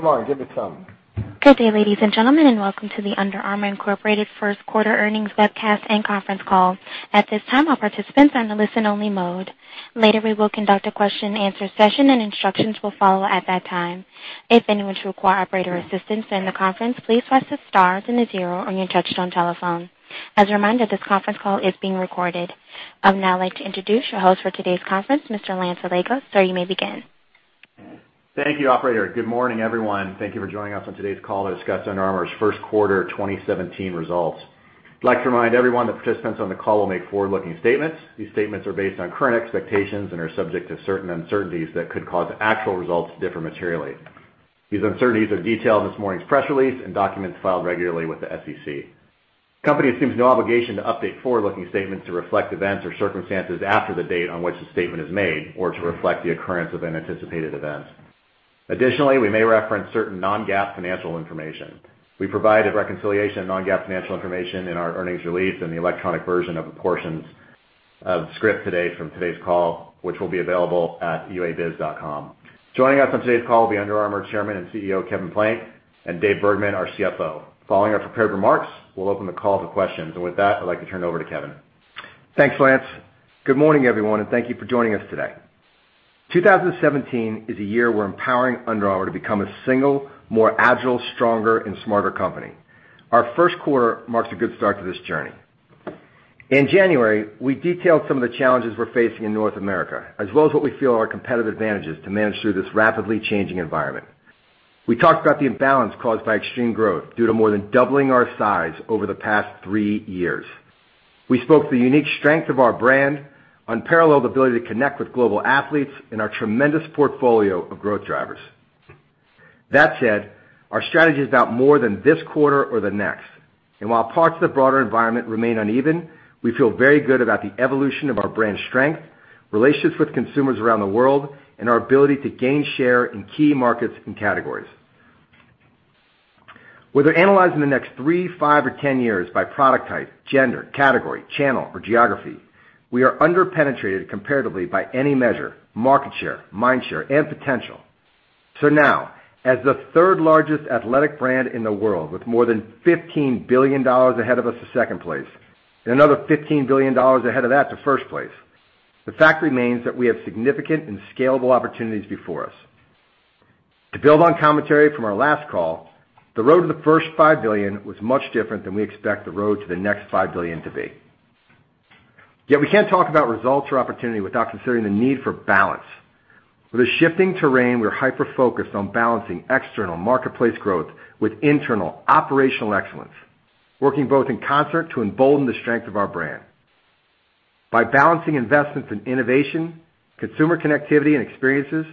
Come on, give it some. Good day, ladies and gentlemen, welcome to the Under Armour, Inc. First Quarter Earnings Webcast and Conference Call. At this time, all participants are in a listen-only mode. Later, we will conduct a question and answer session, instructions will follow at that time. If anyone should require operator assistance in the conference, please press the star then the zero on your touch-tone telephone. As a reminder, this conference call is being recorded. I would now like to introduce your host for today's conference, Mr. Lance Allega. Sir, you may begin. Thank you, operator. Good morning, everyone. Thank you for joining us on today's call to discuss Under Armour's first quarter 2017 results. I'd like to remind everyone that participants on the call will make forward-looking statements. These statements are based on current expectations and are subject to certain uncertainties that could cause actual results to differ materially. These uncertainties are detailed in this morning's press release and documents filed regularly with the SEC. The company assumes no obligation to update forward-looking statements to reflect events or circumstances after the date on which the statement is made or to reflect the occurrence of an anticipated event. We may reference certain non-GAAP financial information. We provide a reconciliation of non-GAAP financial information in our earnings release and the electronic version of portions of script today from today's call, which will be available at uabiz.com. Joining us on today's call will be Under Armour Chairman and CEO, Kevin Plank, and David Bergman, our CFO. Following our prepared remarks, we'll open the call to questions. With that, I'd like to turn it over to Kevin. Thanks, Lance. Good morning, everyone. Thank you for joining us today. 2017 is a year we're empowering Under Armour to become a single, more agile, stronger, and smarter company. Our first quarter marks a good start to this journey. In January, we detailed some of the challenges we're facing in North America, as well as what we feel are our competitive advantages to manage through this rapidly changing environment. We talked about the imbalance caused by extreme growth due to more than doubling our size over the past three years. We spoke to the unique strength of our brand, unparalleled ability to connect with global athletes in our tremendous portfolio of growth drivers. That said, our strategy is about more than this quarter or the next. While parts of the broader environment remain uneven, we feel very good about the evolution of our brand strength, relationships with consumers around the world, and our ability to gain share in key markets and categories. Whether analyzing the next three, five, or 10 years by product type, gender, category, channel, or geography, we are under-penetrated comparatively by any measure, market share, mind share, and potential. Now, as the third-largest athletic brand in the world with more than $15 billion ahead of us to second place and another $15 billion ahead of that to first place, the fact remains that we have significant and scalable opportunities before us. To build on commentary from our last call, the road to the first $5 billion was much different than we expect the road to the next $5 billion to be. We can't talk about results or opportunity without considering the need for balance. With a shifting terrain, we're hyper-focused on balancing external marketplace growth with internal operational excellence, working both in concert to embolden the strength of our brand. By balancing investments in innovation, consumer connectivity, and experiences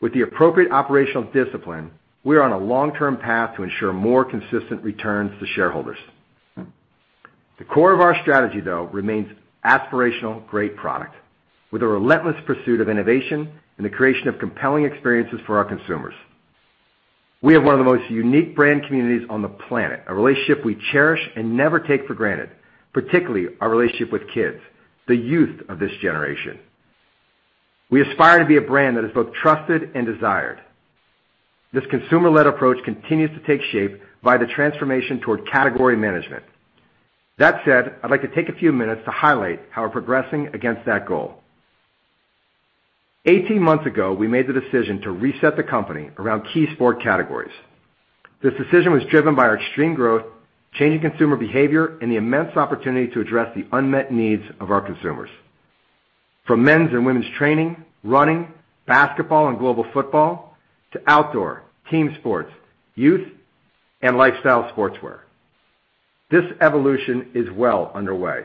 with the appropriate operational discipline, we are on a long-term path to ensure more consistent returns to shareholders. The core of our strategy, though, remains aspirational great product with a relentless pursuit of innovation and the creation of compelling experiences for our consumers. We have one of the most unique brand communities on the planet, a relationship we cherish and never take for granted, particularly our relationship with kids, the youth of this generation. We aspire to be a brand that is both trusted and desired. This consumer-led approach continues to take shape via the transformation toward category management. That said, I'd like to take a few minutes to highlight how we're progressing against that goal. 18 months ago, we made the decision to reset the company around key sport categories. This decision was driven by our extreme growth, changing consumer behavior, and the immense opportunity to address the unmet needs of our consumers. From men's and women's training, running, basketball, and global football to outdoor, team sports, youth, and lifestyle sportswear. This evolution is well underway.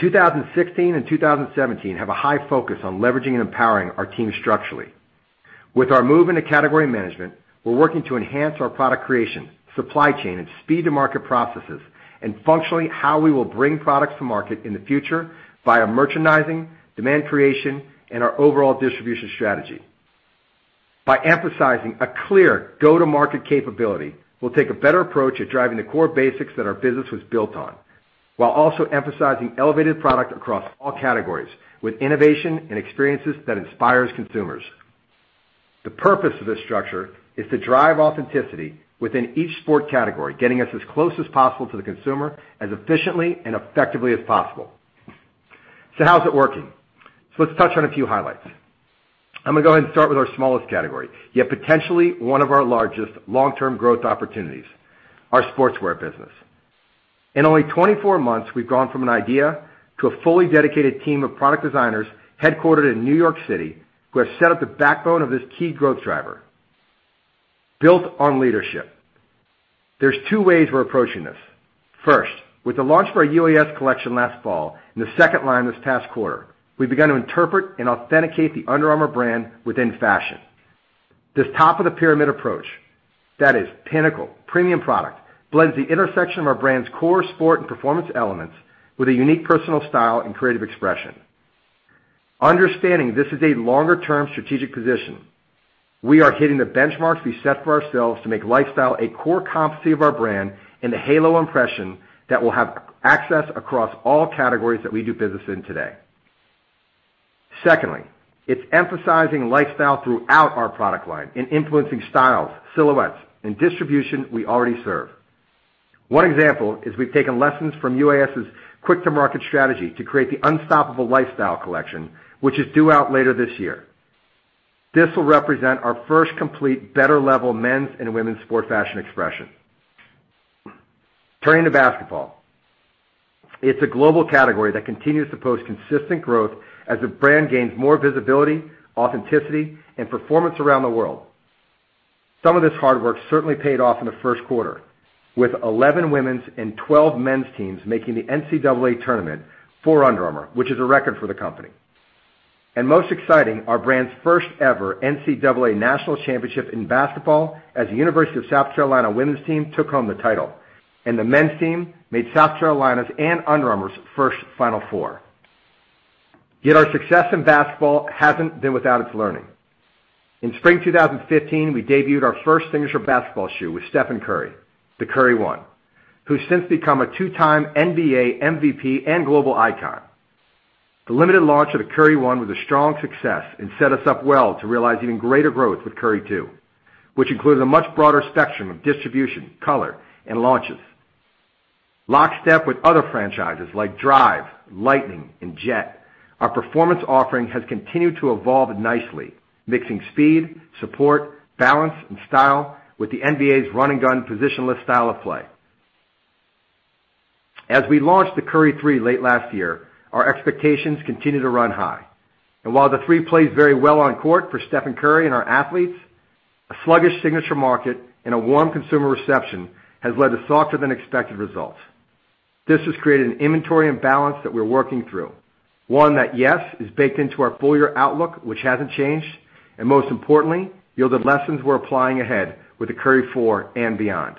2016 and 2017 have a high focus on leveraging and empowering our team structurally. With our move into category management, we're working to enhance our product creation, supply chain, and speed to market processes, and functionally how we will bring products to market in the future via merchandising, demand creation, and our overall distribution strategy. By emphasizing a clear go-to-market capability, we'll take a better approach at driving the core basics that our business was built on, while also emphasizing elevated product across all categories with innovation and experiences that inspires consumers. The purpose of this structure is to drive authenticity within each sport category, getting us as close as possible to the consumer as efficiently and effectively as possible. How is it working? Let's touch on a few highlights. I'm going to go ahead and start with our smallest category, yet potentially one of our largest long-term growth opportunities, our sportswear business. In only 24 months, we've gone from an idea to a fully dedicated team of product designers headquartered in New York City who have set up the backbone of this key growth driver built on leadership. There's two ways we're approaching this. First, with the launch of our UAS collection last fall and the second line this past quarter, we began to interpret and authenticate the Under Armour brand within fashion. This top-of-the-pyramid approach, that is pinnacle premium product, blends the intersection of our brand's core sport and performance elements with a unique personal style and creative expression. Understanding this is a longer-term strategic position, we are hitting the benchmarks we set for ourselves to make lifestyle a core competency of our brand and a halo impression that will have access across all categories that we do business in today. Secondly, it's emphasizing lifestyle throughout our product line in influencing styles, silhouettes, and distribution we already serve. One example is we've taken lessons from UAS's quick-to-market strategy to create the Unstoppable Lifestyle Collection, which is due out later this year. This will represent our first complete better level men's and women's sport fashion expression. Turning to basketball. It's a global category that continues to post consistent growth as the brand gains more visibility, authenticity, and performance around the world. Some of this hard work certainly paid off in the first quarter, with 11 women's and 12 men's teams making the NCAA tournament for Under Armour, which is a record for the company. Most exciting, our brand's first ever NCAA National Championship in basketball as the University of South Carolina women's team took home the title, and the men's team made South Carolina's and Under Armour's first Final Four. Yet our success in basketball hasn't been without its learning. In spring 2015, we debuted our first signature basketball shoe with Stephen Curry, the Curry One, who's since become a two-time NBA MVP and global icon. The limited launch of the Curry One was a strong success and set us up well to realize even greater growth with Curry Two, which includes a much broader spectrum of distribution, color, and launches. Lockstep with other franchises like Drive, Lightning, and Jet, our performance offering has continued to evolve nicely, mixing speed, support, balance, and style with the NBA's run-and-gun positionless style of play. As we launched the Curry Three late last year, our expectations continued to run high. While the Three plays very well on court for Stephen Curry and our athletes, a sluggish signature market and a warm consumer reception has led to softer than expected results. This has created an inventory imbalance that we're working through. One that, yes, is baked into our full-year outlook, which hasn't changed, and most importantly, yielded lessons we're applying ahead with the Curry Four and beyond.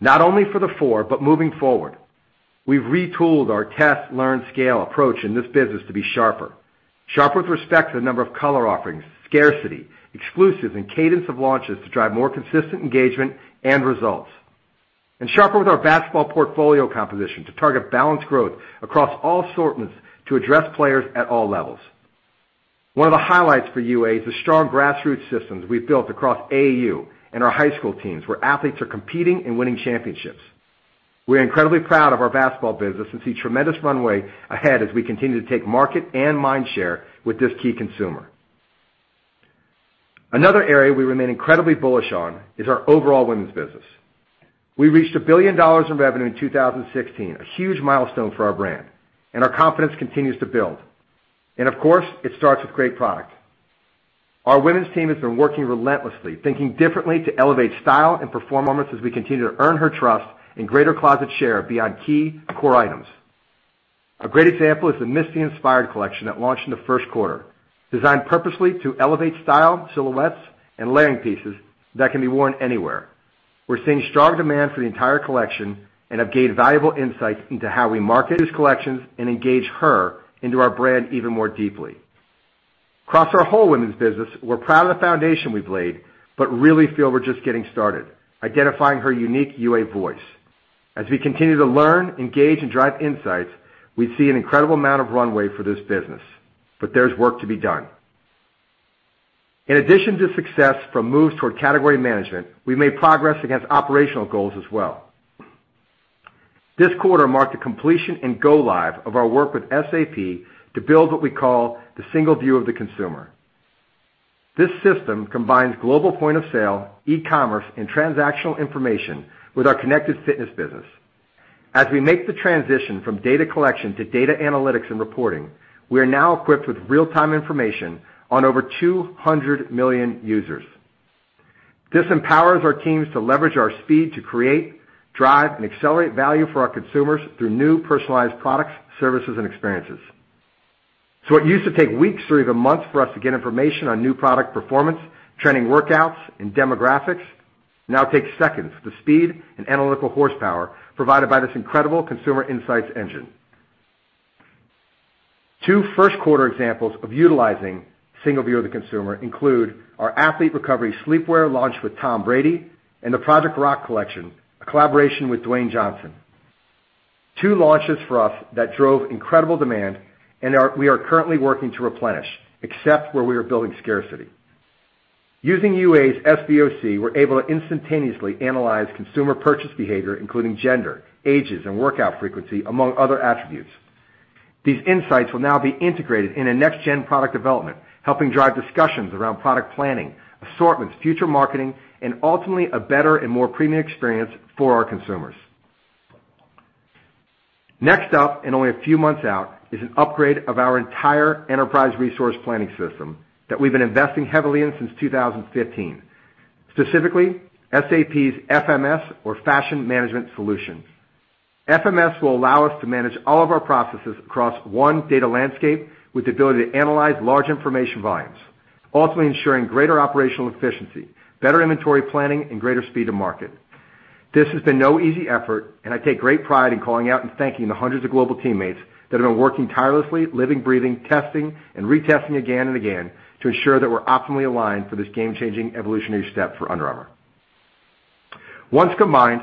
Not only for the 4, but moving forward, we've retooled our test, learn, scale approach in this business to be sharper. Sharper with respect to the number of color offerings, scarcity, exclusives, and cadence of launches to drive more consistent engagement and results. Sharper with our basketball portfolio composition to target balanced growth across all assortments to address players at all levels. One of the highlights for UA is the strong grassroots systems we've built across AAU and our high school teams, where athletes are competing and winning championships. We're incredibly proud of our basketball business and see tremendous runway ahead as we continue to take market and mind share with this key consumer. Another area we remain incredibly bullish on is our overall women's business. We reached $1 billion in revenue in 2016, a huge milestone for our brand, and our confidence continues to build. Of course, it starts with great product. Our women's team has been working relentlessly, thinking differently to elevate style and performance as we continue to earn her trust and greater closet share beyond key core items. A great example is the Misty-inspired collection that launched in the first quarter, designed purposely to elevate style, silhouettes, and layering pieces that can be worn anywhere. We're seeing strong demand for the entire collection and have gained valuable insights into how we market these collections and engage her into our brand even more deeply. Across our whole women's business, we're proud of the foundation we've laid, but really feel we're just getting started, identifying her unique UA voice. As we continue to learn, engage, and drive insights, we see an incredible amount of runway for this business. There's work to be done. In addition to success from moves toward category management, we made progress against operational goals as well. This quarter marked the completion and go live of our work with SAP to build what we call the single view of the consumer. This system combines global point-of-sale, e-commerce, and transactional information with our Connected Fitness business. As we make the transition from data collection to data analytics and reporting, we are now equipped with real-time information on over 200 million users. This empowers our teams to leverage our speed to create, drive, and accelerate value for our consumers through new personalized products, services, and experiences. What used to take weeks or even months for us to get information on new product performance, trending workouts, and demographics now takes seconds with the speed and analytical horsepower provided by this incredible consumer insights engine. Two first-quarter examples of utilizing single view of the consumer include our athlete recovery sleepwear launch with Tom Brady and the Project Rock collection, a collaboration with Dwayne Johnson. Two launches for us that drove incredible demand, and we are currently working to replenish, except where we are building scarcity. Using UA's SVOC, we're able to instantaneously analyze consumer purchase behavior, including gender, ages, and workout frequency, among other attributes. These insights will now be integrated in a next-gen product development, helping drive discussions around product planning, assortments, future marketing, and ultimately a better and more premium experience for our consumers. Next up, only a few months out, is an upgrade of our entire enterprise resource planning system that we've been investing heavily in since 2015. Specifically, SAP's FMS or Fashion Management Solutions. FMS will allow us to manage all of our processes across one data landscape with the ability to analyze large information volumes, ultimately ensuring greater operational efficiency, better inventory planning, and greater speed to market. This has been no easy effort, I take great pride in calling out and thanking the hundreds of global teammates that have been working tirelessly, living, breathing, testing, and retesting again and again to ensure that we're optimally aligned for this game-changing evolutionary step for Under Armour. Once combined,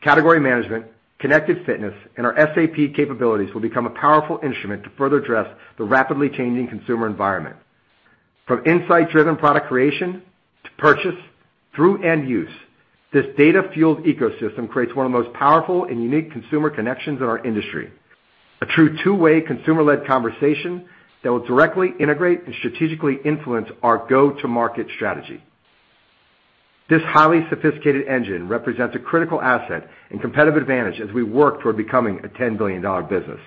category management, Connected Fitness, and our SAP capabilities will become a powerful instrument to further address the rapidly changing consumer environment. From insight-driven product creation to purchase through end use, this data-fueled ecosystem creates one of the most powerful and unique consumer connections in our industry. A true two-way consumer-led conversation that will directly integrate and strategically influence our go-to-market strategy. This highly sophisticated engine represents a critical asset and competitive advantage as we work toward becoming a $10 billion business.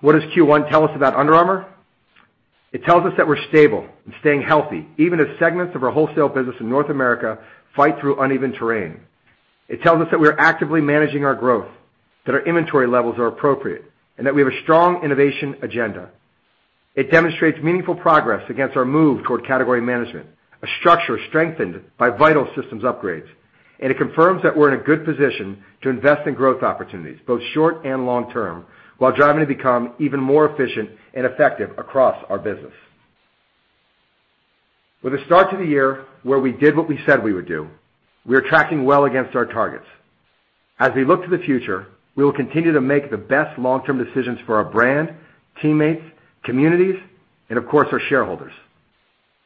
What does Q1 tell us about Under Armour? It tells us that we're stable and staying healthy, even as segments of our wholesale business in North America fight through uneven terrain. It tells us that we are actively managing our growth, that our inventory levels are appropriate, that we have a strong innovation agenda. It demonstrates meaningful progress against our move toward category management, a structure strengthened by vital systems upgrades, it confirms that we're in a good position to invest in growth opportunities, both short and long term, while driving to become even more efficient and effective across our business. With the start to the year where we did what we said we would do, we are tracking well against our targets. As we look to the future, we will continue to make the best long-term decisions for our brand, teammates, communities, and of course, our shareholders.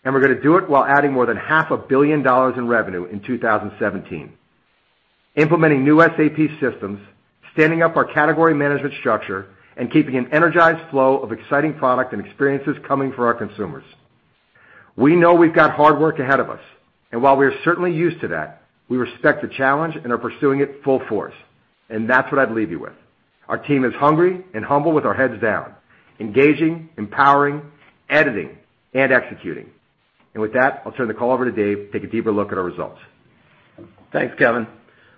We're going to do it while adding more than half a billion dollars in revenue in 2017. Implementing new SAP systems, standing up our category management structure, keeping an energized flow of exciting product and experiences coming for our consumers. We know we've got hard work ahead of us, while we are certainly used to that, we respect the challenge and are pursuing it full force. That's what I'd leave you with. Our team is hungry and humble with our heads down, engaging, empowering, editing, and executing. With that, I'll turn the call over to Dave to take a deeper look at our results. Thanks, Kevin.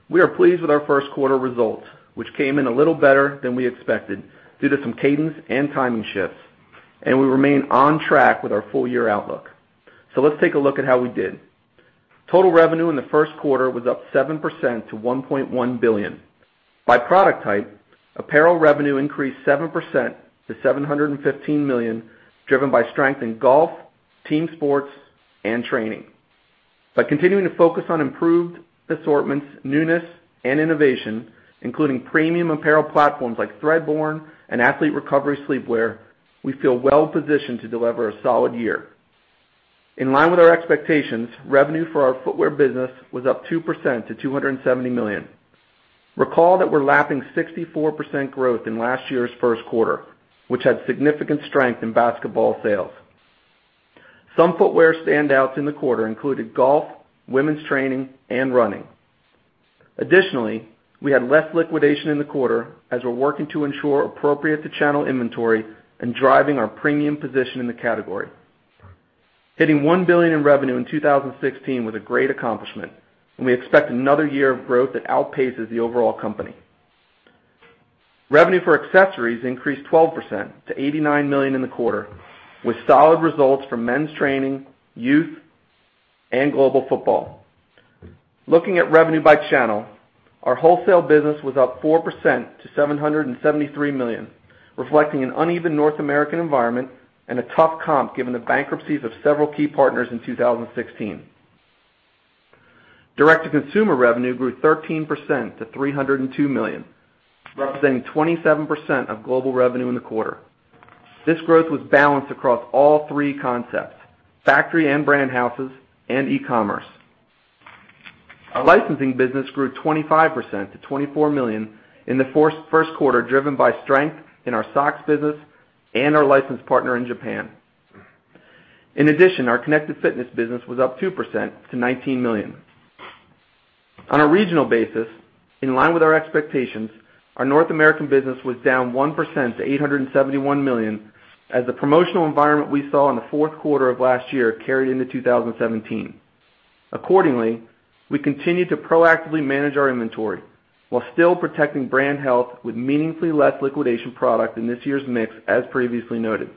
We are pleased with our first quarter results, which came in a little better than we expected due to some cadence and timing shifts, we remain on track with our full year outlook. Let's take a look at how we did. Total revenue in the first quarter was up 7% to $1.1 billion. By product type, apparel revenue increased 7% to $715 million, driven by strength in golf, team sports, and training. By continuing to focus on improved assortments, newness, and innovation, including premium apparel platforms like Threadborne and athlete recovery sleepwear, we feel well-positioned to deliver a solid year. In line with our expectations, revenue for our footwear business was up 2% to $270 million. Recall that we're lapping 64% growth in last year's first quarter, which had significant strength in basketball sales. Some footwear standouts in the quarter included golf, women's training, and running. We had less liquidation in the quarter as we're working to ensure appropriate-to-channel inventory and driving our premium position in the category. Hitting $1 billion in revenue in 2016 was a great accomplishment, and we expect another year of growth that outpaces the overall company. Revenue for accessories increased 12% to $89 million in the quarter, with solid results from men's training, youth, and global football. Looking at revenue by channel, our wholesale business was up 4% to $773 million, reflecting an uneven North American environment and a tough comp given the bankruptcies of several key partners in 2016. Direct-to-consumer revenue grew 13% to $302 million, representing 27% of global revenue in the quarter. This growth was balanced across all three concepts: factory and brand houses and e-commerce. Our licensing business grew 25% to $24 million in the first quarter, driven by strength in our socks business and our license partner in Japan. In addition, our Connected Fitness business was up 2% to $19 million. On a regional basis, in line with our expectations, our North American business was down 1% to $871 million as the promotional environment we saw in the fourth quarter of last year carried into 2017. Accordingly, we continued to proactively manage our inventory while still protecting brand health with meaningfully less liquidation product in this year's mix as previously noted.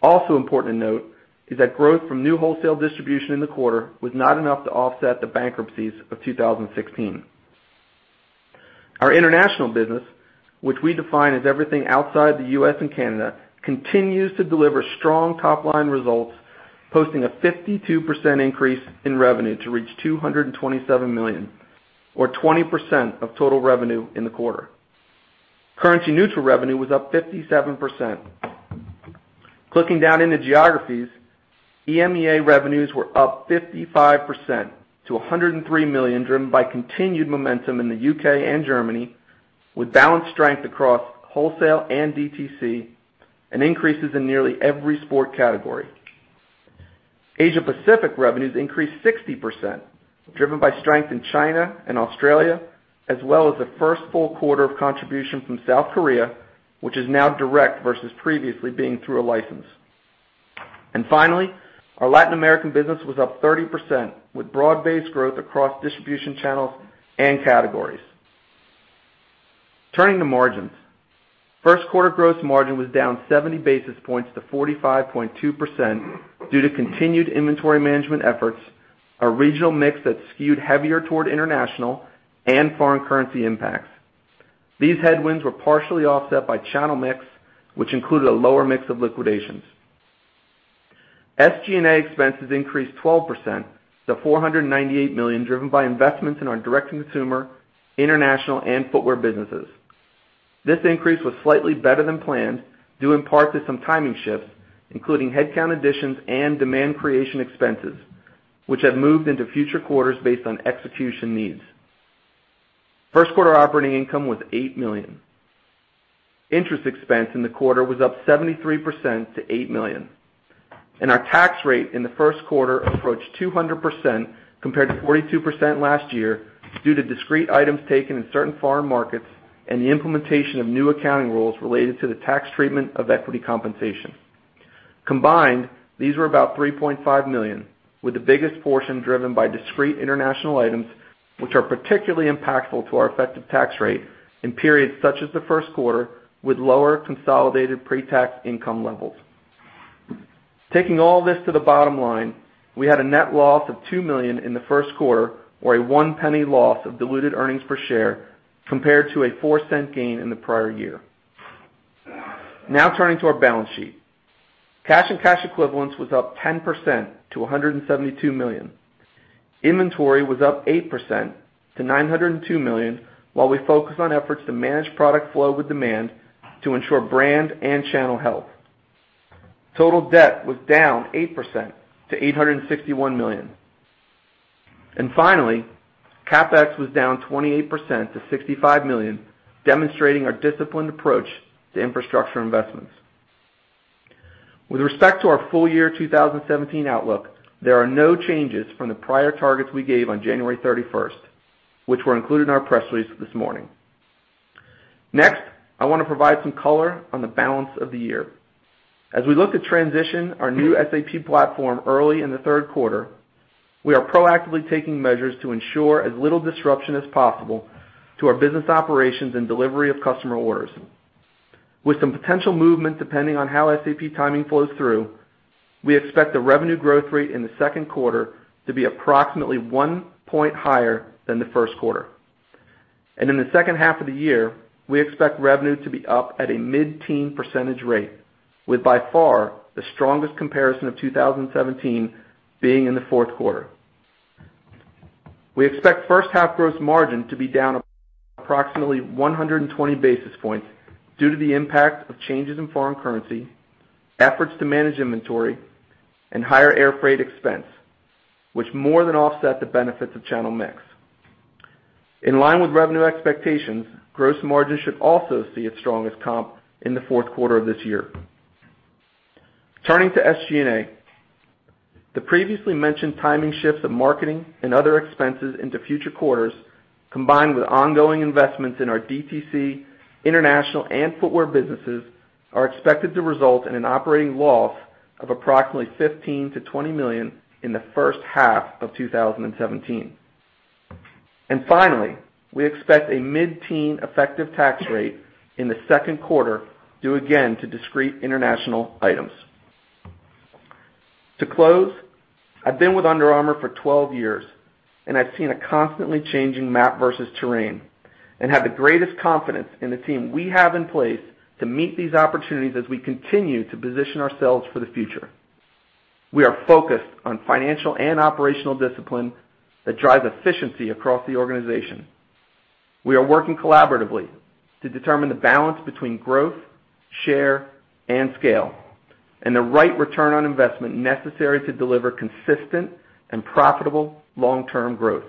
Also important to note is that growth from new wholesale distribution in the quarter was not enough to offset the bankruptcies of 2016. Our international business, which we define as everything outside the U.S. and Canada, continues to deliver strong top-line results, posting a 52% increase in revenue to reach $227 million or 20% of total revenue in the quarter. Currency-neutral revenue was up 57%. Clicking down into geographies, EMEA revenues were up 55% to $103 million, driven by continued momentum in the U.K. and Germany with balanced strength across wholesale and DTC, and increases in nearly every sport category. Asia-Pacific revenues increased 60%, driven by strength in China and Australia, as well as the first full quarter of contribution from South Korea, which is now direct versus previously being through a license. Finally, our Latin American business was up 30% with broad-based growth across distribution channels and categories. Turning to margins. First quarter gross margin was down 70 basis points to 45.2% due to continued inventory management efforts, a regional mix that skewed heavier toward international, and foreign currency impacts. These headwinds were partially offset by channel mix, which included a lower mix of liquidations. SG&A expenses increased 12% to $498 million, driven by investments in our direct-to-consumer, international, and footwear businesses. This increase was slightly better than planned, due in part to some timing shifts, including headcount additions and demand creation expenses, which have moved into future quarters based on execution needs. First quarter operating income was $8 million. Interest expense in the quarter was up 73% to $8 million, and our tax rate in the first quarter approached 200% compared to 42% last year due to discrete items taken in certain foreign markets and the implementation of new accounting rules related to the tax treatment of equity compensation. Combined, these were about $3.5 million, with the biggest portion driven by discrete international items, which are particularly impactful to our effective tax rate in periods such as the first quarter with lower consolidated pre-tax income levels. Taking all this to the bottom line, we had a net loss of $2 million in the first quarter, or a $0.01 loss of diluted earnings per share compared to a $0.04 gain in the prior year. Now turning to our balance sheet. Cash and cash equivalents was up 10% to $172 million. Inventory was up 8% to $902 million, while we focused on efforts to manage product flow with demand to ensure brand and channel health. Total debt was down 8% to $861 million. Finally, CapEx was down 28% to $65 million, demonstrating our disciplined approach to infrastructure investments. With respect to our full year 2017 outlook, there are no changes from the prior targets we gave on January 31st, which were included in our press release this morning. Next, I want to provide some color on the balance of the year. As we look to transition our new SAP platform early in the third quarter, we are proactively taking measures to ensure as little disruption as possible to our business operations and delivery of customer orders. With some potential movement, depending on how SAP timing flows through, we expect the revenue growth rate in the second quarter to be approximately one point higher than the first quarter. In the second half of the year, we expect revenue to be up at a mid-teen percentage rate, with by far the strongest comparison of 2017 being in the fourth quarter. We expect first half gross margin to be down approximately 120 basis points due to the impact of changes in foreign currency, efforts to manage inventory, and higher air freight expense, which more than offset the benefits of channel mix. In line with revenue expectations, gross margin should also see its strongest comp in the fourth quarter of this year. Turning to SG&A, the previously mentioned timing shifts of marketing and other expenses into future quarters, combined with ongoing investments in our DTC, international, and footwear businesses, are expected to result in an operating loss of approximately $15 million-$20 million in the first half of 2017. Finally, we expect a mid-teen effective tax rate in the second quarter, due again to discrete international items. To close, I've been with Under Armour for 12 years, and I've seen a constantly changing map versus terrain, and have the greatest confidence in the team we have in place to meet these opportunities as we continue to position ourselves for the future. We are focused on financial and operational discipline that drive efficiency across the organization. We are working collaboratively to determine the balance between growth, share, and scale, and the right return on investment necessary to deliver consistent and profitable long-term growth.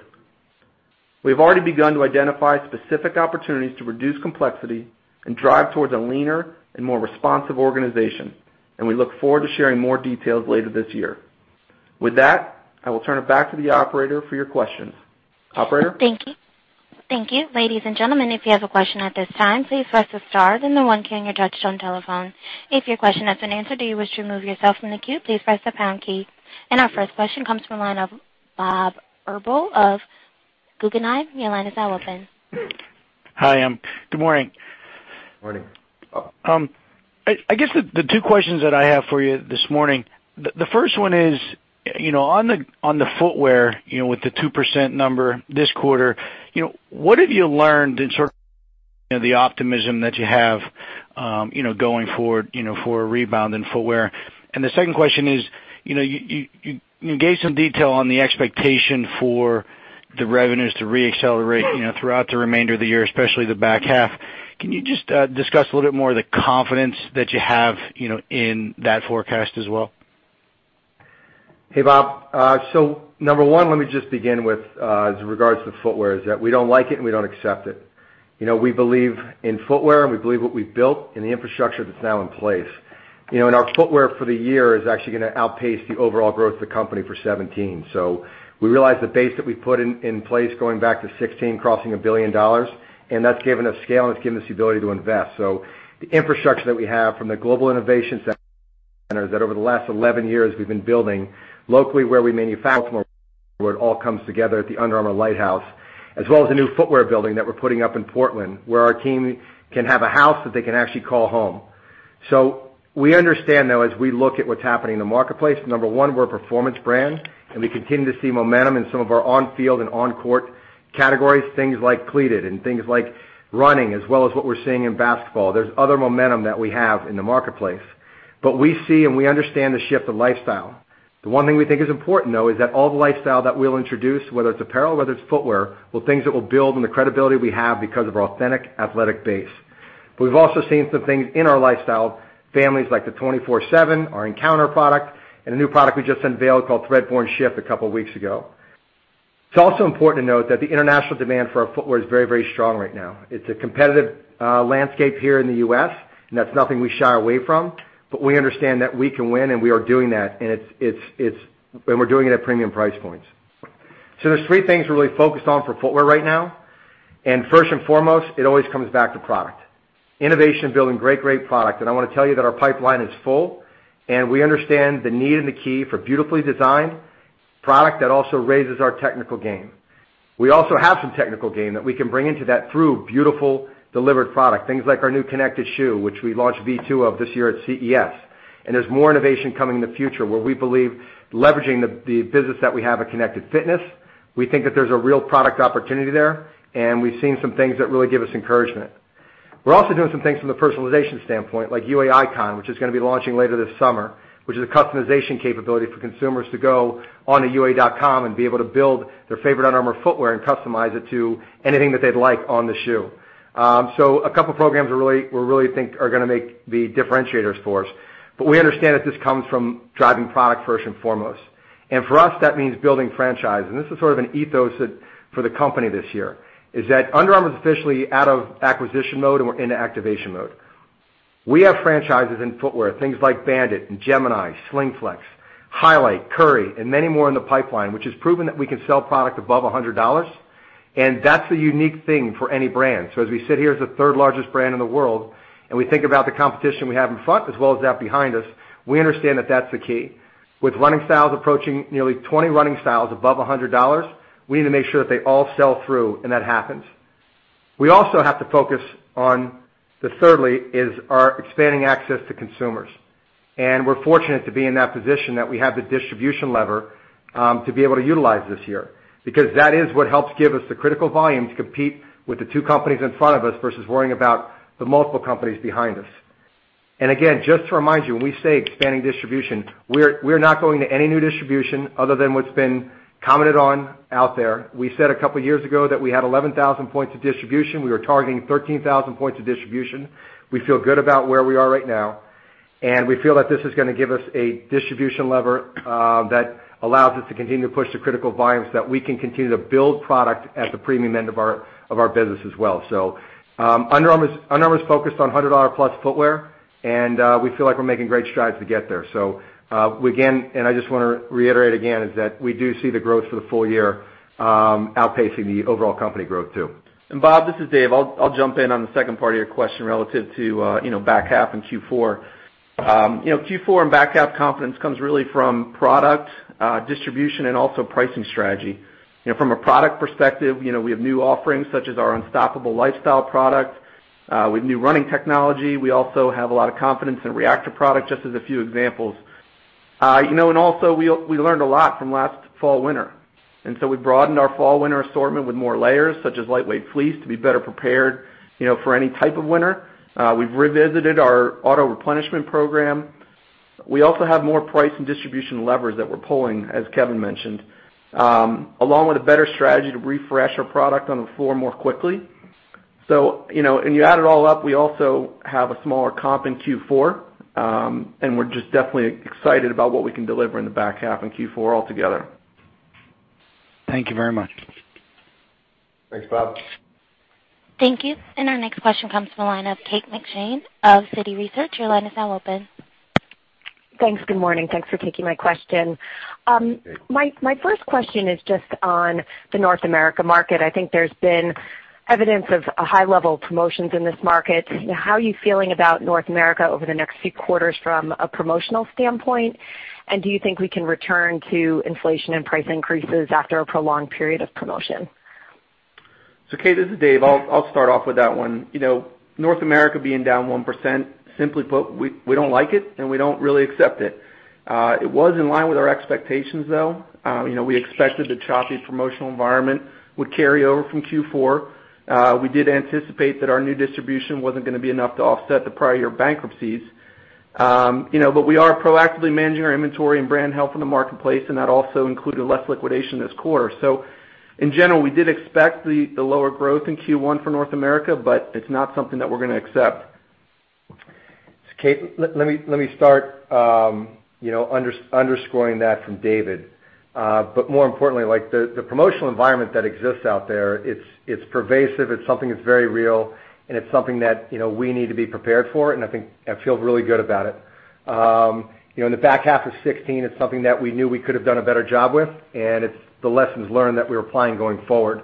We've already begun to identify specific opportunities to reduce complexity and drive towards a leaner and more responsive organization. We look forward to sharing more details later this year. With that, I will turn it back to the operator for your questions. Operator? Thank you. Ladies and gentlemen, if you have a question at this time, please press the star then the one key on your touch-tone telephone. If your question has been answered or you wish to remove yourself from the queue, please press the pound key. Our first question comes from the line of Robert Drbul of Guggenheim. Your line is now open. Hi. Good morning. Morning. I guess the two questions that I have for you this morning, the first one is on the footwear, with the 2% number this quarter, what have you learned in sort of the optimism that you have going forward for a rebound in footwear? The second question is, you gave some detail on the expectation for the revenues to re-accelerate throughout the remainder of the year, especially the back half. Can you just discuss a little bit more the confidence that you have in that forecast as well? Hey, Bob. Number one, let me just begin with regards to footwear, is that we don't like it and we don't accept it. We believe in footwear and we believe what we've built and the infrastructure that's now in place. Our footwear for the year is actually going to outpace the overall growth of the company for 2017. We realize the base that we've put in place going back to 2016, crossing $1 billion, and that's given us scale and it's given us the ability to invest. The infrastructure that we have from the Global Innovation Center that over the last 11 years we've been building locally where we manufacture, where it all comes together at the Under Armour Lighthouse, as well as the new footwear building that we're putting up in Portland, where our team can have a house that they can actually call home. We understand now as we look at what's happening in the marketplace, number 1, we're a performance brand, and we continue to see momentum in some of our on-field and on-court categories, things like cleated and things like running, as well as what we're seeing in basketball. There's other momentum that we have in the marketplace. We see and we understand the shift of lifestyle. The one thing we think is important, though, is that all the lifestyle that we'll introduce, whether it's apparel, whether it's footwear, will things that will build on the credibility we have because of our authentic athletic base. We've also seen some things in our lifestyle families like the 24/7, our Encounter product, and a new product we just unveiled called Threadborne Shift a couple of weeks ago. It's also important to note that the international demand for our footwear is very strong right now. It's a competitive landscape here in the U.S., and that's nothing we shy away from, but we understand that we can win and we are doing that, and we're doing it at premium price points. There's 3 things we're really focused on for footwear right now, and first and foremost, it always comes back to product. Innovation, building great product. I want to tell you that our pipeline is full, and we understand the need and the key for beautifully designed product that also raises our technical game. We also have some technical game that we can bring into that through beautiful delivered product, things like our new connected shoe, which we launched V2 of this year at CES. There's more innovation coming in the future where we believe leveraging the business that we have a Connected Fitness, we think that there's a real product opportunity there, and we've seen some things that really give us encouragement. We're also doing some things from the personalization standpoint, like UA Icon, which is going to be launching later this summer, which is a customization capability for consumers to go on to ua.com and be able to build their favorite Under Armour footwear and customize it to anything that they'd like on the shoe. A couple of programs we really think are going to make the differentiators for us. We understand that this comes from driving product first and foremost. For us, that means building franchise. This is sort of an ethos for the company this year, is that Under Armour is officially out of acquisition mode and we're into activation mode. We have franchises in footwear, things like Bandit and Gemini, Slingflex, Highlight, Curry, and many more in the pipeline, which has proven that we can sell product above $100. That's a unique thing for any brand. As we sit here as the third largest brand in the world, and we think about the competition we have in front as well as that behind us, we understand that that's the key. With running styles approaching nearly 20 running styles above $100, we need to make sure that they all sell through, and that happens. We also have to focus on, thirdly, is our expanding access to consumers. We're fortunate to be in that position that we have the distribution lever to be able to utilize this year, because that is what helps give us the critical volume to compete with the two companies in front of us versus worrying about the multiple companies behind us. Again, just to remind you, when we say expanding distribution, we're not going to any new distribution other than what's been commented on out there. We said a couple of years ago that we had 11,000 points of distribution. We were targeting 13,000 points of distribution. We feel good about where we are right now, and we feel that this is going to give us a distribution lever that allows us to continue to push the critical volumes that we can continue to build product at the premium end of our business as well. Under Armour's focused on $100-plus footwear, we feel like we're making great strides to get there. Again, I just want to reiterate again, is that we do see the growth for the full year outpacing the overall company growth, too. Bob, this is Dave. I'll jump in on the second part of your question relative to back half in Q4. Q4 and back half confidence comes really from product distribution and also pricing strategy. From a product perspective, we have new offerings such as our Unstoppable lifestyle product. With new running technology, we also have a lot of confidence in Reactor product, just as a few examples. Also, we learned a lot from last fall/winter. We broadened our fall/winter assortment with more layers, such as lightweight fleece, to be better prepared for any type of winter. We've revisited our auto-replenishment program. We also have more price and distribution levers that we're pulling, as Kevin mentioned, along with a better strategy to refresh our product on the floor more quickly. When you add it all up, we also have a smaller comp in Q4, and we're just definitely excited about what we can deliver in the back half in Q4 altogether. Thank you very much. Thanks, Bob. Thank you. Our next question comes from the line of Kate McShane of Citi Research. Your line is now open. Thanks. Good morning. Thanks for taking my question. Hey. My first question is just on the North America market. I think there has been evidence of a high level of promotions in this market. How are you feeling about North America over the next few quarters from a promotional standpoint? Do you think we can return to inflation and price increases after a prolonged period of promotion? Kate, this is Dave. I will start off with that one. North America being down 1%, simply put, we don't like it, and we don't really accept it. It was in line with our expectations, though. We expected the choppy promotional environment would carry over from Q4. We did anticipate that our new distribution wasn't going to be enough to offset the prior year bankruptcies. We are proactively managing our inventory and brand health in the marketplace, and that also included less liquidation this quarter. In general, we did expect the lower growth in Q1 for North America, but it's not something that we're going to accept. Kate, let me start underscoring that from David. More importantly, the promotional environment that exists out there, it's pervasive, it's something that's very real, and it's something that we need to be prepared for, and I think I feel really good about it. In the back half of 2016, it's something that we knew we could have done a better job with, and it's the lessons learned that we're applying going forward.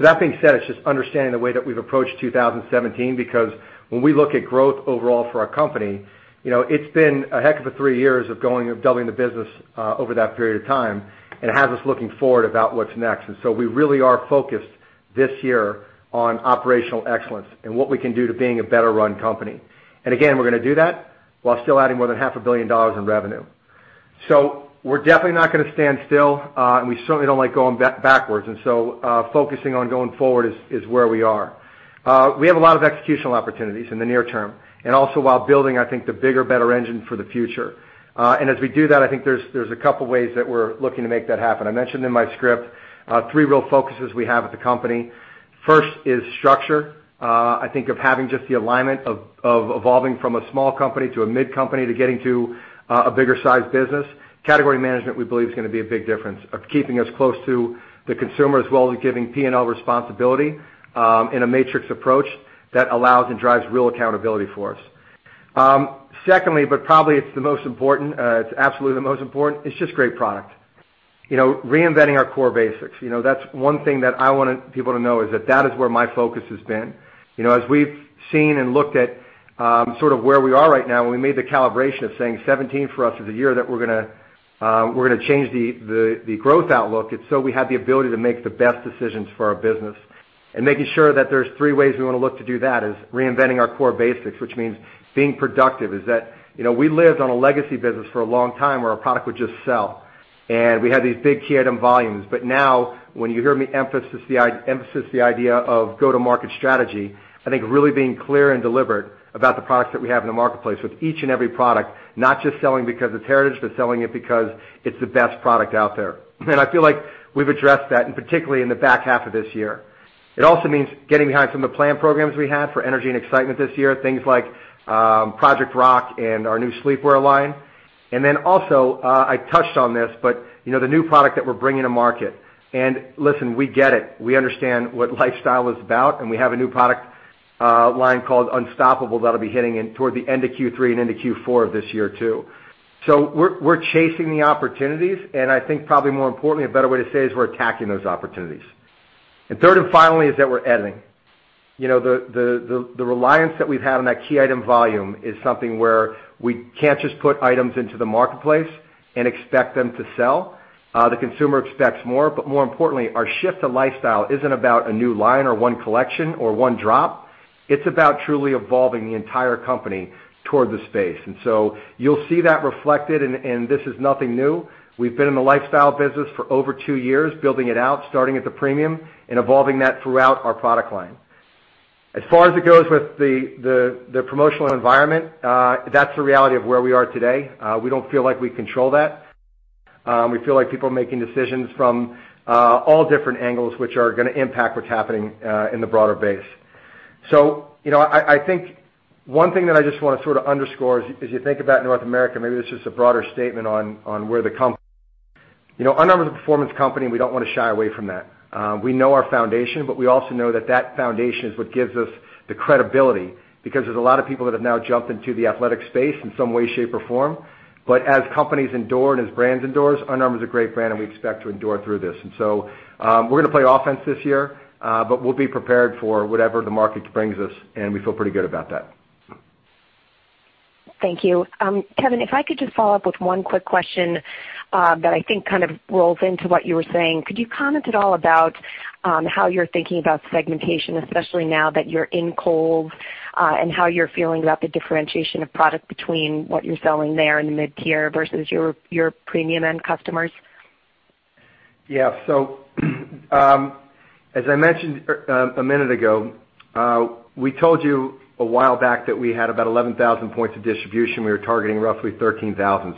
That being said, it's just understanding the way that we've approached 2017, because when we look at growth overall for our company, it's been a heck of a three years of doubling the business over that period of time, and it has us looking forward about what's next. We really are focused this year on operational excellence and what we can do to being a better-run company. Again, we're going to do that while still adding more than half a billion dollars in revenue. We're definitely not going to stand still, and we certainly don't like going backwards. Focusing on going forward is where we are. We have a lot of executional opportunities in the near term, and also while building, I think the bigger, better engine for the future. As we do that, I think there's a couple ways that we're looking to make that happen. I mentioned in my script, three real focuses we have with the company. First is structure. I think of having just the alignment of evolving from a small company to a mid company to getting to a bigger size business. Category management, we believe is going to be a big difference of keeping us close to the consumer as well as giving P&L responsibility, in a matrix approach that allows and drives real accountability for us. Secondly, but probably it's the most important, it's absolutely the most important, it's just great product. Reinventing our core basics. That's one thing that I wanted people to know, is that is where my focus has been. As we've seen and looked at sort of where we are right now, and we made the calibration of saying 2017 for us is a year that we're going to change the growth outlook, so we have the ability to make the best decisions for our business. Making sure that there's three ways we want to look to do that is reinventing our core basics, which means being productive, is that we lived on a legacy business for a long time where our product would just sell. We had these big key item volumes. Now when you hear me emphasize the idea of go-to-market strategy, I think really being clear and deliberate about the products that we have in the marketplace with each and every product, not just selling because it's heritage, but selling it because it's the best product out there. I feel like we've addressed that, and particularly in the back half of this year. It also means getting behind some of the planned programs we had for energy and excitement this year, things like, Project Rock and our new sleepwear line. Also, I touched on this, but the new product that we're bringing to market. Listen, we get it. We understand what lifestyle is about, and we have a new product line called Unstoppable that'll be hitting in toward the end of Q3 and into Q4 of this year too. We're chasing the opportunities, and I think probably more importantly, a better way to say is we're attacking those opportunities. Third, finally, is that we're editing. The reliance that we've had on that key item volume is something where we can't just put items into the marketplace and expect them to sell. The consumer expects more. More importantly, our shift to lifestyle isn't about a new line or one collection or one drop. It's about truly evolving the entire company toward the space. You'll see that reflected, and this is nothing new. We've been in the lifestyle business for over two years, building it out, starting at the premium and evolving that throughout our product line. As far as it goes with the promotional environment, that's the reality of where we are today. We don't feel like we control that. We feel like people are making decisions from all different angles which are going to impact what's happening in the broader base. I think one thing that I just want to sort of underscore as you think about North America, maybe this is a broader statement on where Under Armour is a performance company, and we don't want to shy away from that. We know our foundation, but we also know that foundation is what gives us the credibility because there's a lot of people that have now jumped into the athletic space in some way, shape, or form. As companies endure and as brands endure, Under Armour is a great brand, and we expect to endure through this. We're going to play offense this year, but we'll be prepared for whatever the market brings us, and we feel pretty good about that. Thank you. Kevin, if I could just follow up with one quick question that I think kind of rolls into what you were saying. Could you comment at all about how you're thinking about segmentation, especially now that you're in Kohl's, and how you're feeling about the differentiation of product between what you're selling there in the mid-tier versus your premium end customers? Yeah. As I mentioned a minute ago, we told you a while back that we had about 11,000 points of distribution. We were targeting roughly 13,000.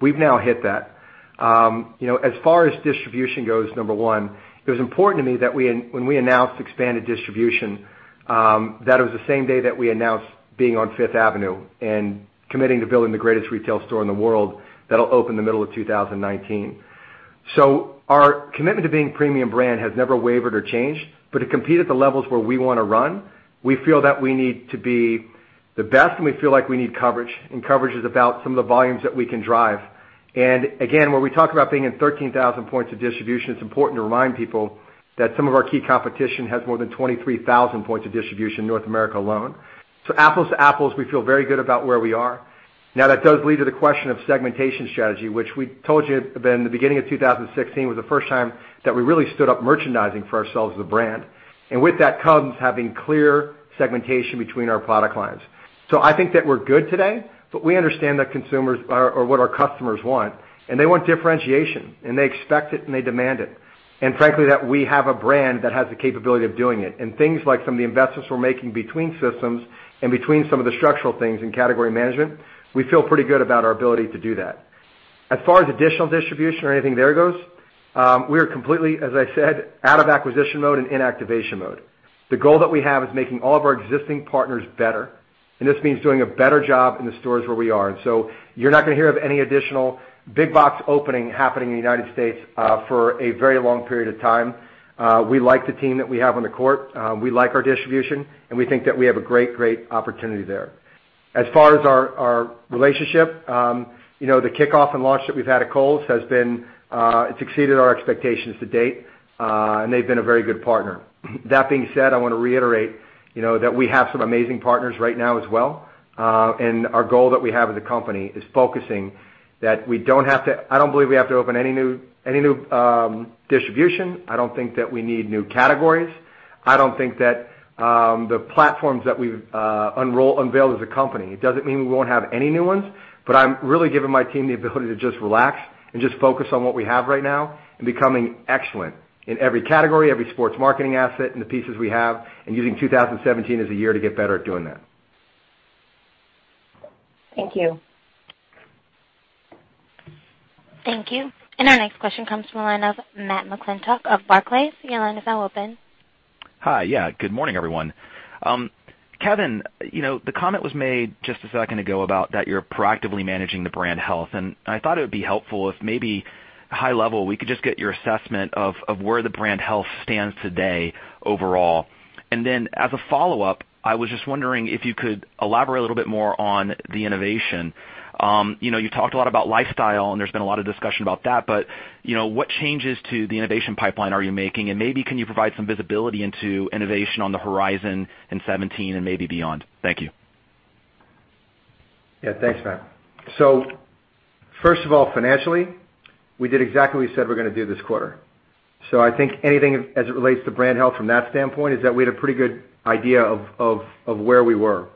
We've now hit that. As far as distribution goes, number one, it was important to me that when we announced expanded distribution, that it was the same day that we announced being on Fifth Avenue and committing to building the greatest retail store in the world that'll open in the middle of 2019. Our commitment to being premium brand has never wavered or changed, but to compete at the levels where we want to run, we feel that we need to be the best, and we feel like we need coverage, and coverage is about some of the volumes that we can drive. When we talk about being in 13,000 points of distribution, it's important to remind people that some of our key competition has more than 23,000 points of distribution in North America alone. Apples to apples, we feel very good about where we are. That does lead to the question of segmentation strategy, which we told you then the beginning of 2016 was the first time that we really stood up merchandising for ourselves as a brand. With that comes having clear segmentation between our product lines. I think that we're good today, but we understand that consumers or what our customers want, and they want differentiation, and they expect it and they demand it. Frankly, that we have a brand that has the capability of doing it. Things like some of the investments we're making between systems and between some of the structural things in category management, we feel pretty good about our ability to do that. As far as additional distribution or anything there goes, we are completely, as I said, out of acquisition mode and in activation mode. The goal that we have is making all of our existing partners better, and this means doing a better job in the stores where we are. You're not going to hear of any additional big box opening happening in the U.S. for a very long period of time. We like the team that we have on the court. We like our distribution, and we think that we have a great opportunity there. As far as our relationship, the kickoff and launch that we've had at Kohl's it's exceeded our expectations to date. They've been a very good partner. That being said, I want to reiterate that we have some amazing partners right now as well. Our goal that we have as a company is focusing that I don't believe we have to open any new distribution. I don't think that we need new categories. I don't think that the platforms that we've unveiled as a company, it doesn't mean we won't have any new ones, but I'm really giving my team the ability to just relax and just focus on what we have right now, and becoming excellent in every category, every sports marketing asset, and the pieces we have, and using 2017 as a year to get better at doing that. Thank you. Thank you. Our next question comes from the line of Matthew McClintock of Barclays. Your line is now open. Hi. Good morning, everyone. Kevin, the comment was made just a second ago about that you're proactively managing the brand health, and I thought it would be helpful if maybe high level, we could just get your assessment of where the brand health stands today overall. As a follow-up, I was just wondering if you could elaborate a little bit more on the innovation. You talked a lot about lifestyle, and there's been a lot of discussion about that, but what changes to the innovation pipeline are you making? Maybe can you provide some visibility into innovation on the horizon in 2017 and maybe beyond? Thank you. Thanks, Matt. First of all, financially, we did exactly what we said we're going to do this quarter. I think anything as it relates to brand health from that standpoint is that we had a pretty good idea of where we were.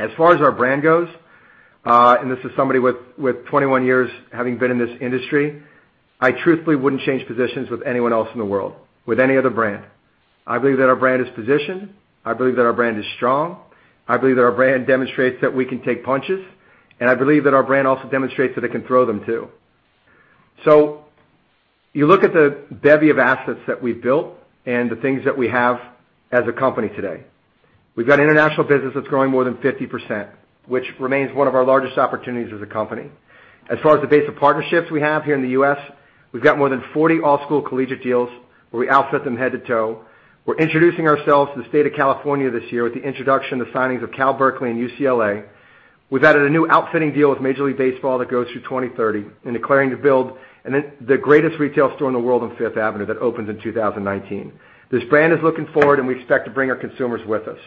As far as our brand goes, and this is somebody with 21 years having been in this industry, I truthfully wouldn't change positions with anyone else in the world, with any other brand. I believe that our brand is positioned, I believe that our brand is strong, I believe that our brand demonstrates that we can take punches, and I believe that our brand also demonstrates that it can throw them, too. You look at the bevy of assets that we've built and the things that we have as a company today. We've got international business that's growing more than 50%, which remains one of our largest opportunities as a company. As far as the base of partnerships we have here in the U.S., we've got more than 40 all-school collegiate deals where we outfit them head to toe. We're introducing ourselves to the state of California this year with the introduction, the signings of Cal Berkeley and UCLA. We've added a new outfitting deal with Major League Baseball that goes through 2030 and declaring to build the greatest retail store in the world on Fifth Avenue that opens in 2019. This brand is looking forward, we expect to bring our consumers with us.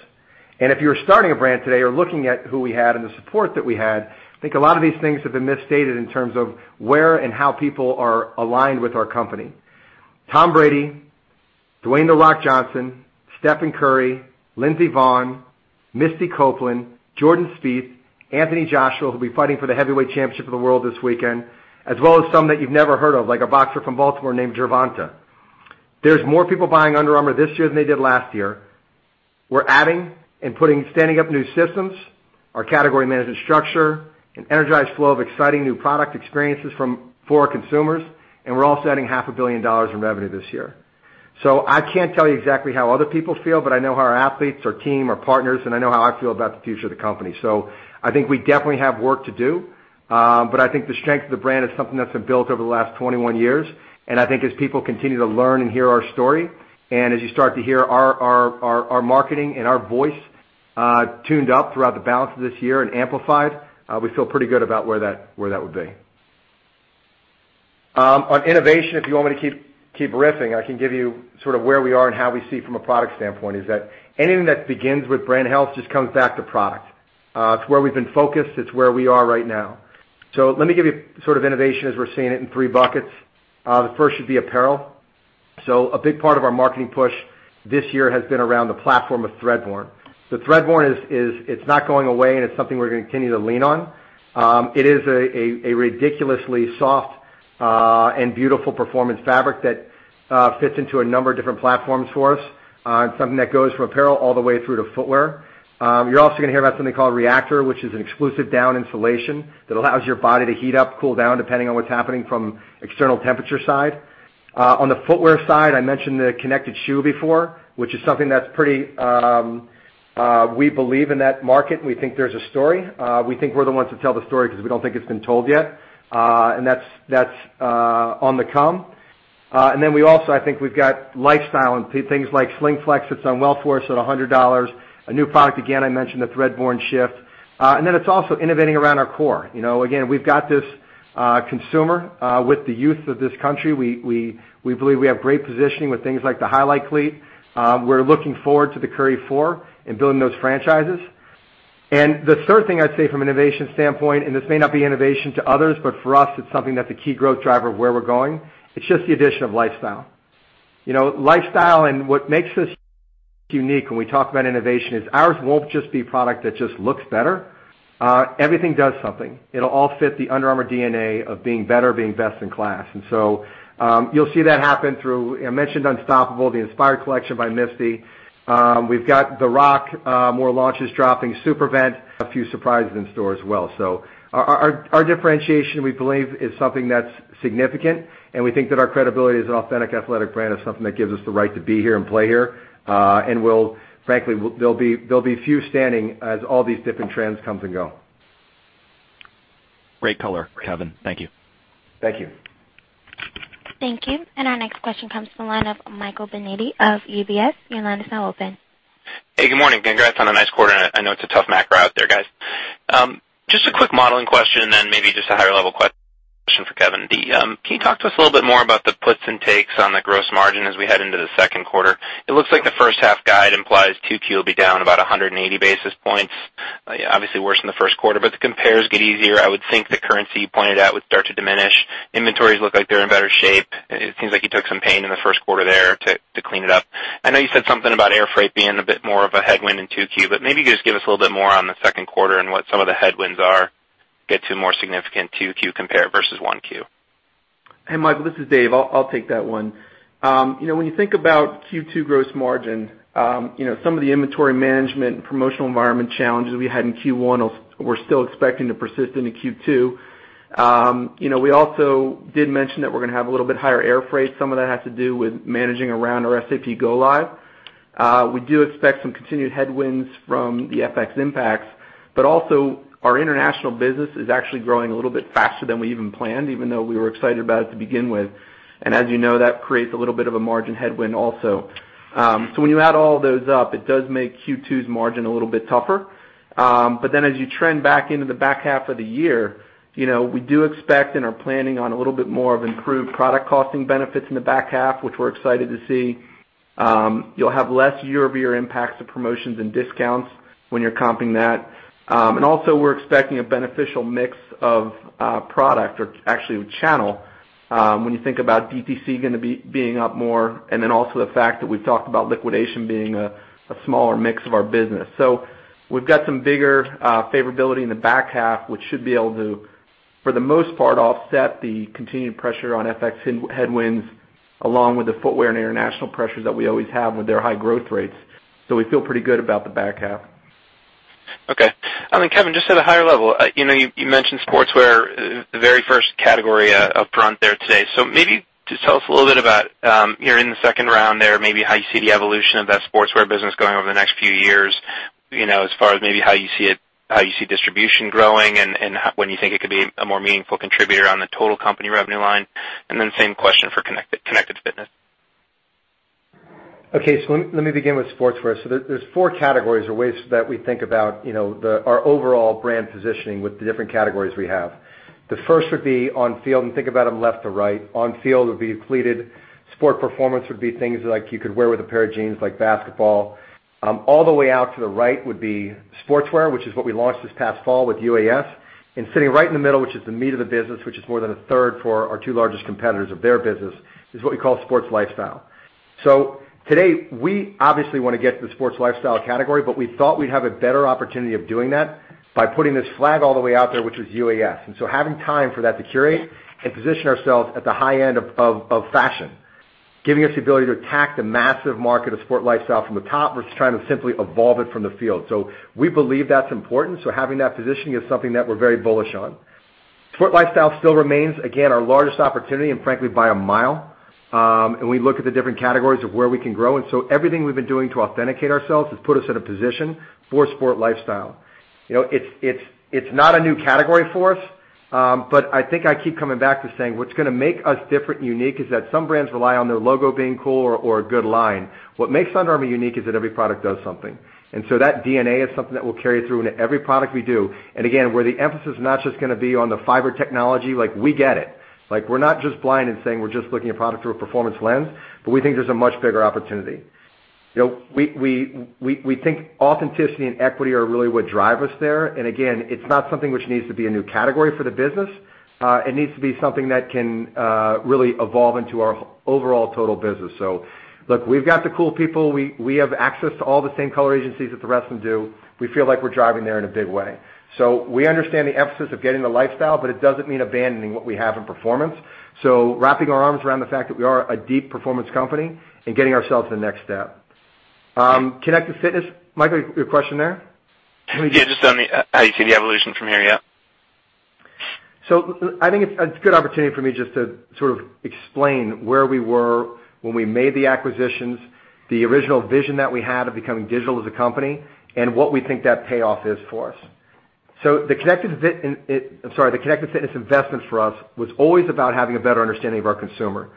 If you're starting a brand today or looking at who we had and the support that we had, I think a lot of these things have been misstated in terms of where and how people are aligned with our company. Tom Brady, Dwayne The Rock Johnson, Stephen Curry, Lindsey Vonn, Misty Copeland, Jordan Spieth, Anthony Joshua, who'll be fighting for the heavyweight championship of the world this weekend, as well as some that you've never heard of, like a boxer from Baltimore named Gervonta. There's more people buying Under Armour this year than they did last year. We're adding and standing up new systems. Our category management structure, an energized flow of exciting new product experiences for our consumers, we're also adding half a billion dollars in revenue this year. I can't tell you exactly how other people feel, but I know how our athletes, our team, our partners, and I know how I feel about the future of the company. I think we definitely have work to do. I think the strength of the brand is something that's been built over the last 21 years, and I think as people continue to learn and hear our story, and as you start to hear our marketing and our voice tuned up throughout the balance of this year and amplified, we feel pretty good about where that would be. On innovation, if you want me to keep riffing, I can give you sort of where we are and how we see from a product standpoint, is that anything that begins with brand health just comes back to product. It's where we've been focused. It's where we are right now. Let me give you sort of innovation as we're seeing it in three buckets. The first should be apparel. A big part of our marketing push this year has been around the platform of Threadborne. Threadborne, it's not going away, and it's something we're going to continue to lean on. It is a ridiculously soft and beautiful performance fabric that fits into a number of different platforms for us, and something that goes from apparel all the way through to footwear. You're also going to hear about something called Reactor, which is an exclusive down insulation that allows your body to heat up, cool down, depending on what's happening from external temperature side. On the footwear side, I mentioned the connected shoe before, which is something that's pretty We believe in that market, and we think there's a story. We think we're the ones to tell the story because we don't think it's been told yet. That's on the come. Then we also, I think we've got lifestyle and things like Slingflex that's on well, first at $100. A new product, again, I mentioned the Threadborne Shift. Then it's also innovating around our core. Again, we've got this consumer with the youth of this country. We believe we have great positioning with things like the Highlight Cleat. We're looking forward to the Curry Four and building those franchises. The third thing I'd say from an innovation standpoint, and this may not be innovation to others, but for us, it's something that's a key growth driver of where we're going. It's just the addition of lifestyle. Lifestyle and what makes us unique when we talk about innovation is ours won't just be product that just looks better. Everything does something. It'll all fit the Under Armour DNA of being better, being best in class. You'll see that happen through, I mentioned Unstoppable, the inspired collection by Misty. We've got The Rock, more launches dropping, ArmourVent, a few surprises in store as well. Our differentiation, we believe, is something that's significant, and we think that our credibility as an authentic athletic brand is something that gives us the right to be here and play here. Frankly, there'll be few standing as all these different trends come and go. Great color, Kevin. Thank you. Thank you. Thank you. Our next question comes from the line of Michael Binetti of UBS. Your line is now open. Hey, good morning. Congrats on a nice quarter. I know it's a tough macro out there, guys. Just a quick modeling question, maybe just a higher-level question for Kevin Plank. Can you talk to us a little bit more about the puts and takes on the gross margin as we head into the second quarter? It looks like the first half guide implies 2Q will be down about 180 basis points. Obviously worse than the first quarter, the compares get easier. I would think the currency you pointed out would start to diminish. Inventories look like they're in better shape. It seems like you took some pain in the first quarter there to clean it up. I know you said something about air freight being a bit more of a headwind in Q2, maybe you could just give us a little bit more on the second quarter and what some of the headwinds are, get to more significant Q2 compare versus Q1. Hey, Michael, this is Dave Bergman. I'll take that one. When you think about Q2 gross margin, some of the inventory management and promotional environment challenges we had in Q1, we're still expecting to persist into Q2. We also did mention that we're going to have a little bit higher air freight. Some of that has to do with managing around our SAP go-live. We do expect some continued headwinds from the FX impacts. Our international business is actually growing a little bit faster than we even planned, even though we were excited about it to begin with. As you know, that creates a little bit of a margin headwind also. When you add all those up, it does make Q2's margin a little bit tougher. As you trend back into the back half of the year, we do expect and are planning on a little bit more of improved product costing benefits in the back half, which we're excited to see. You'll have less year-over-year impacts of promotions and discounts when you're comping that. We're expecting a beneficial mix of product, or actually with channel, when you think about DTC going to be being up more, the fact that we've talked about liquidation being a smaller mix of our business. We've got some bigger favorability in the back half, which should be able to, for the most part, offset the continued pressure on FX headwinds, along with the footwear and international pressures that we always have with their high growth rates. We feel pretty good about the back half. Okay. Kevin, just at a higher level, you mentioned sportswear, the very first category up front there today. Maybe just tell us a little bit about, you're in the second round there, maybe how you see the evolution of that sportswear business going over the next few years, as far as maybe how you see distribution growing and when you think it could be a more meaningful contributor on the total company revenue line. Same question for Connected Fitness. Okay. Let me begin with sportswear. There's four categories or ways that we think about our overall brand positioning with the different categories we have. The first would be on field, think about them left to right. On field would be cleated. Sport performance would be things like you could wear with a pair of jeans, like basketball. All the way out to the right would be sportswear, which is what we launched this past fall with UAS. Sitting right in the middle, which is the meat of the business, which is more than a third for our two largest competitors of their business, is what we call sports lifestyle. Today, we obviously want to get to the sports lifestyle category, but we thought we'd have a better opportunity of doing that by putting this flag all the way out there, which was UAS. Having time for that to curate and position ourselves at the high end of fashion, giving us the ability to attack the massive market of sport lifestyle from the top versus trying to simply evolve it from the field. We believe that's important. Having that positioning is something that we're very bullish on. Sport lifestyle still remains, again, our largest opportunity, frankly, by a mile. We look at the different categories of where we can grow. Everything we've been doing to authenticate ourselves has put us in a position for sport lifestyle. It's not a new category for us, I think I keep coming back to saying what's going to make us different and unique is that some brands rely on their logo being cool or a good line. What makes Under Armour unique is that every product does something. That DNA is something that we'll carry through into every product we do. Again, where the emphasis is not just going to be on the fiber technology, like we get it. We're not just blind and saying we're just looking at product through a performance lens, we think there's a much bigger opportunity. We think authenticity and equity are really what drive us there. Again, it's not something which needs to be a new category for the business. It needs to be something that can really evolve into our overall total business. Look, we've got the cool people. We have access to all the same color agencies that the rest of them do. We feel like we're driving there in a big way. We understand the emphasis of getting the lifestyle, it doesn't mean abandoning what we have in performance. Wrapping our arms around the fact that we are a deep performance company and getting ourselves to the next step. Connected Fitness, Michael, your question there? Yeah, just on how you see the evolution from here. I think it's a good opportunity for me just to sort of explain where we were when we made the acquisitions, the original vision that we had of becoming digital as a company, and what we think that payoff is for us. The Connected Fitness investment for us was always about having a better understanding of our consumer.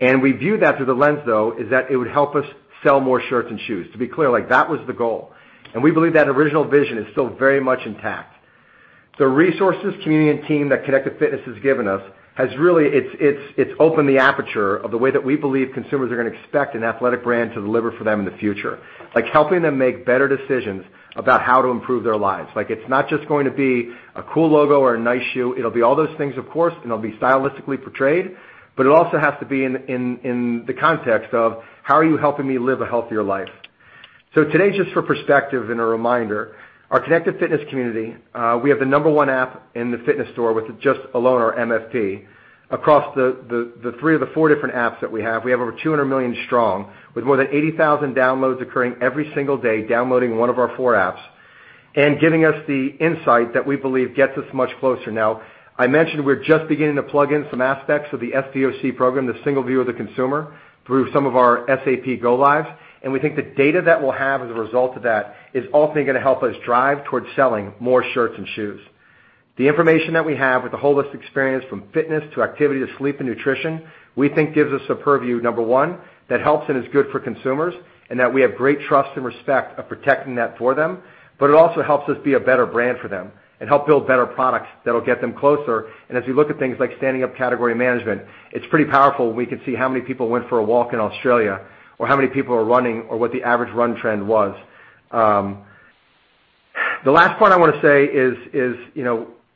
We viewed that through the lens, though, is that it would help us sell more shirts and shoes. To be clear, that was the goal. We believe that original vision is still very much intact. The resources, community, and team that Connected Fitness has given us has really, it's opened the aperture of the way that we believe consumers are going to expect an athletic brand to deliver for them in the future, like helping them make better decisions about how to improve their lives. It's not just going to be a cool logo or a nice shoe. It'll be all those things, of course, and it'll be stylistically portrayed, but it also has to be in the context of how are you helping me live a healthier life? Today, just for perspective and a reminder, our Connected Fitness community, we have the number 1 app in the fitness store with just alone our MyFitnessPal. Across the three of the four different apps that we have, we have over 200 million strong with more than 80,000 downloads occurring every single day, downloading one of our four apps and giving us the insight that we believe gets us much closer. Now, I mentioned we're just beginning to plug in some aspects of the SVOC program, the single view of the consumer, through some of our SAP go lives. We think the data that we'll have as a result of that is ultimately going to help us drive towards selling more shirts and shoes. The information that we have with the holistic experience from fitness to activity to sleep and nutrition, we think gives us a purview, number one, that helps and is good for consumers and that we have great trust and respect of protecting that for them. It also helps us be a better brand for them and help build better products that'll get them closer. As we look at things like standing up category management, it's pretty powerful when we can see how many people went for a walk in Australia or how many people are running or what the average run trend was. The last point I want to say is,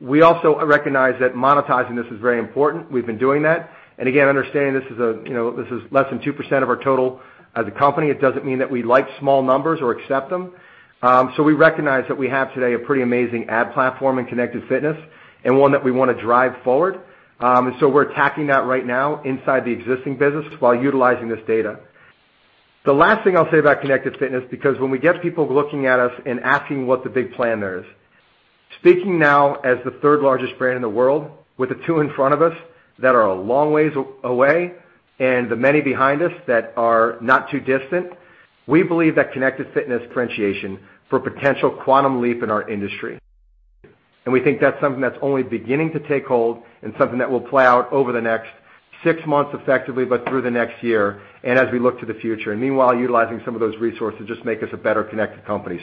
we also recognize that monetizing this is very important. We've been doing that. Again, understanding this is less than 2% of our total as a company. It doesn't mean that we like small numbers or accept them. We recognize that we have today a pretty amazing ad platform in Connected Fitness and one that we want to drive forward. We're attacking that right now inside the existing business while utilizing this data. The last thing I'll say about Connected Fitness, because when we get people looking at us and asking what the big plan there is, speaking now as the third-largest brand in the world with the two in front of us that are a long ways away and the many behind us that are not too distant, we believe that Connected Fitness differentiation for potential quantum leap in our industry. We think that's something that's only beginning to take hold and something that will play out over the next six months effectively, but through the next year and as we look to the future. Meanwhile, utilizing some of those resources just make us a better-connected company.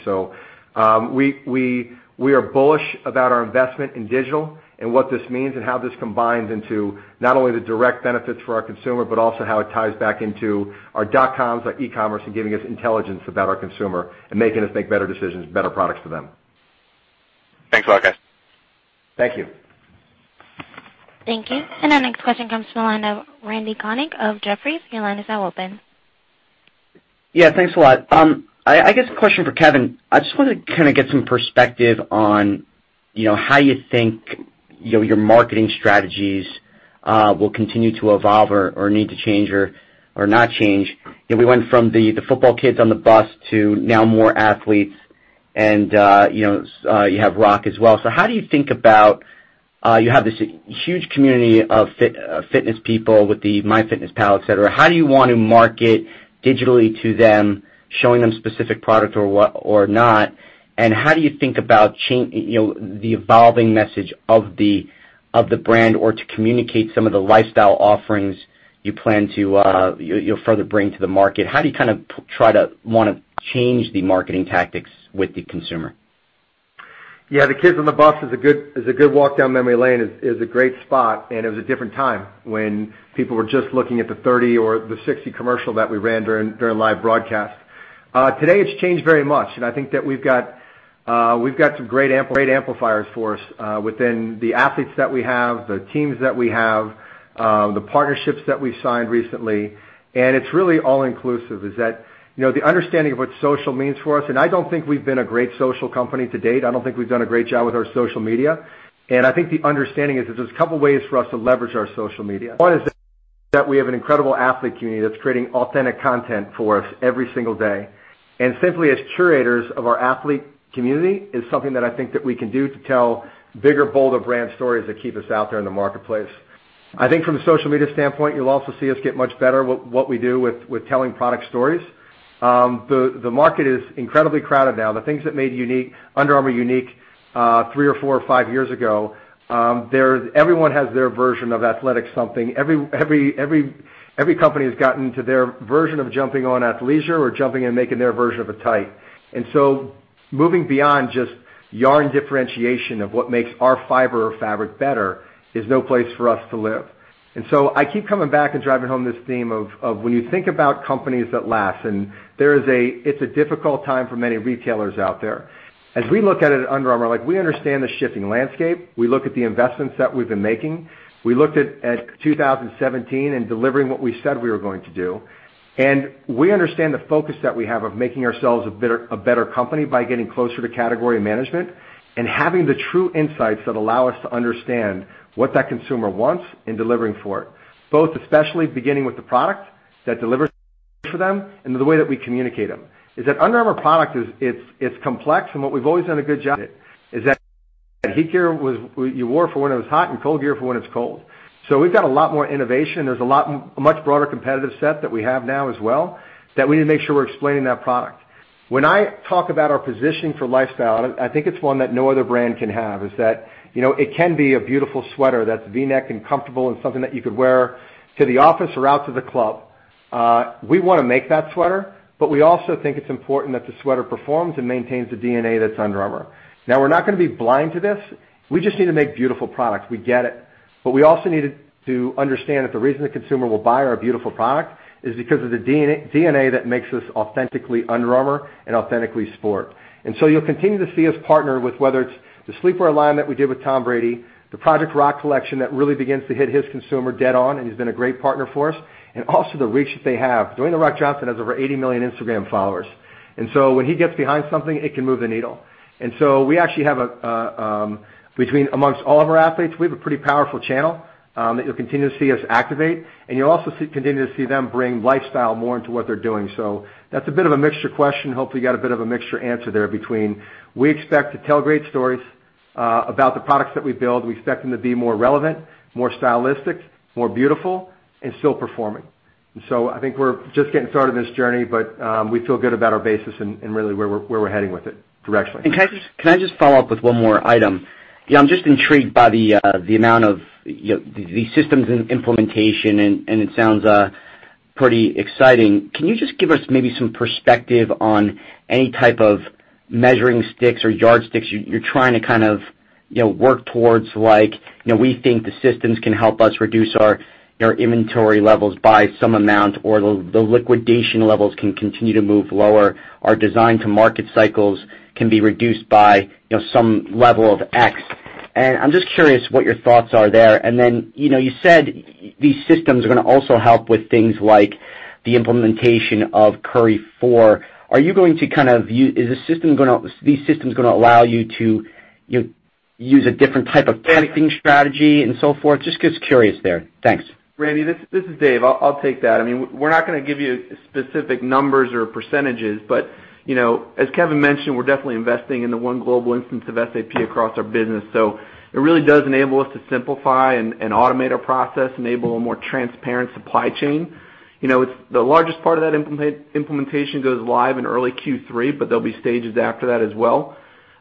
We are bullish about our investment in digital and what this means and how this combines into not only the direct benefits for our consumer, but also how it ties back into our dotcoms, our e-commerce and giving us intelligence about our consumer and making us make better decisions, better products for them. Thanks a lot, guys. Thank you. Thank you. Our next question comes from the line of Randal Konik of Jefferies. Your line is now open. Yeah, thanks a lot. I guess a question for Kevin. I just want to kind of get some perspective on how you think your marketing strategies, will continue to evolve or need to change or not change. We went from the football kids on the bus to now more athletes and you have Rock as well. How do you think about, you have this huge community of fitness people with the MyFitnessPal, et cetera. How do you want to market digitally to them, showing them specific product or what or not? How do you think about the evolving message of the brand or to communicate some of the lifestyle offerings you plan to further bring to the market? How do you try to want to change the marketing tactics with the consumer? Yeah, the kids on the bus is a good walk down memory lane, is a great spot. It was a different time when people were just looking at the 30 or the 60 commercial that we ran during live broadcast. Today, it's changed very much. I think that we've got some great amplifiers for us, within the athletes that we have, the teams that we have, the partnerships that we've signed recently. It's really all-inclusive. The understanding of what social means for us. I don't think we've been a great social company to date. I don't think we've done a great job with our social media. I think the understanding is that there's a couple of ways for us to leverage our social media. One is that we have an incredible athlete community that's creating authentic content for us every single day. Simply as curators of our athlete community is something that I think that we can do to tell bigger, bolder brand stories that keep us out there in the marketplace. I think from a social media standpoint, you'll also see us get much better with what we do with telling product stories. The market is incredibly crowded now. The things that made Under Armour unique, three or four or five years ago, everyone has their version of athletic something. Every company has gotten to their version of jumping on athleisure or jumping in making their version of a tight. Moving beyond just yarn differentiation of what makes our fiber or fabric better is no place for us to live. I keep coming back and driving home this theme of when you think about companies that last. It's a difficult time for many retailers out there. As we look at it at Under Armour, we understand the shifting landscape. We look at the investments that we've been making. We looked at 2017 and delivering what we said we were going to do. We understand the focus that we have of making ourselves a better company by getting closer to category management and having the true insights that allow us to understand what that consumer wants and delivering for it. Both, especially beginning with the product that delivers for them and the way that we communicate them. Under Armour product, it's complex. What we've always done a good job at is that HeatGear you wore for when it was hot and ColdGear for when it's cold. We've got a lot more innovation. There's a much broader competitive set that we have now as well, that we need to make sure we're explaining that product. When I talk about our positioning for lifestyle, I think it's one that no other brand can have. It can be a beautiful sweater that's V-neck and comfortable and something that you could wear to the office or out to the club. We want to make that sweater, but we also think it's important that the sweater performs and maintains the DNA that's Under Armour. We're not going to be blind to this. We just need to make beautiful products. We get it. We also need to understand that the reason the consumer will buy our beautiful product is because of the DNA that makes us authentically Under Armour and authentically sport. You'll continue to see us partner with whether it's the sleepwear line that we did with Tom Brady, the Project Rock collection that really begins to hit his consumer dead on, and he's been a great partner for us. Also the reach that they have. Dwayne The Rock Johnson has over 80 million Instagram followers. When he gets behind something, it can move the needle. We actually have, amongst all of our athletes, we have a pretty powerful channel, that you'll continue to see us activate, and you'll also continue to see them bring lifestyle more into what they're doing. That's a bit of a mixture question. Hopefully, you got a bit of a mixture answer there between, we expect to tell great stories about the products that we build. We expect them to be more relevant, more stylistic, more beautiful, and still performing. I think we're just getting started in this journey, but we feel good about our basis and really where we're heading with it directly. Can I just follow up with one more item? I'm just intrigued by the amount of the systems and implementation, and it sounds pretty exciting. Can you just give us maybe some perspective on any type of measuring sticks or yardsticks you're trying to work towards like, we think the systems can help us reduce our inventory levels by some amount, or the liquidation levels can continue to move lower. Our design to market cycles can be reduced by some level of X. I'm just curious what your thoughts are there. Then, you said these systems are going to also help with things like the implementation of Curry 4. Are you going to is these systems going to allow you to use a different type of pricing strategy and so forth? Just because curious there. Thanks. Randy, this is Dave. I'll take that. We're not going to give you specific numbers or percentages, but as Kevin mentioned, we're definitely investing in the one global instance of SAP across our business. It really does enable us to simplify and automate our process, enable a more transparent supply chain. The largest part of that implementation goes live in early Q3, but there'll be stages after that as well.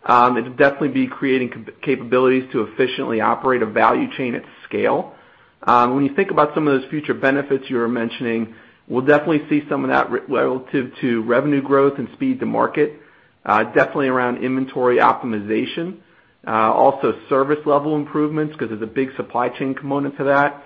It'll definitely be creating capabilities to efficiently operate a value chain at scale. When you think about some of those future benefits you were mentioning, we'll definitely see some of that relative to revenue growth and speed to market, definitely around inventory optimization. Also service level improvements, because there's a big supply chain component to that.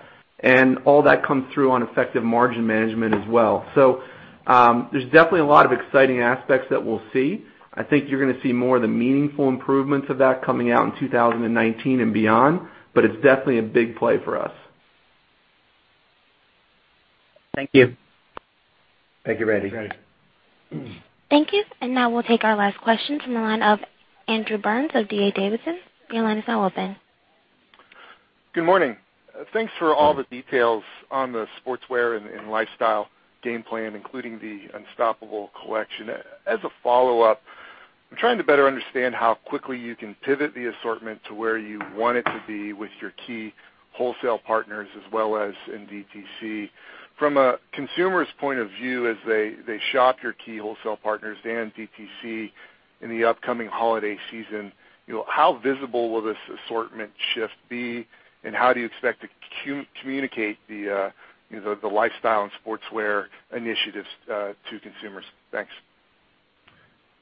All that comes through on effective margin management as well. There's definitely a lot of exciting aspects that we'll see. I think you're going to see more of the meaningful improvements of that coming out in 2019 and beyond, but it's definitely a big play for us. Thank you. Thank you, Randy. Thank you. Thank you. Now we'll take our last question from the line of Andrew Burns of D.A. Davidson. Your line is now open. Good morning. Thanks for all the details on the sportswear and lifestyle game plan, including the Unstoppable Collection. As a follow-up, I'm trying to better understand how quickly you can pivot the assortment to where you want it to be with your key wholesale partners as well as in DTC. From a consumer's point of view, as they shop your key wholesale partners and DTC in the upcoming holiday season, how visible will this assortment shift be, and how do you expect to communicate the lifestyle and sportswear initiatives to consumers? Thanks.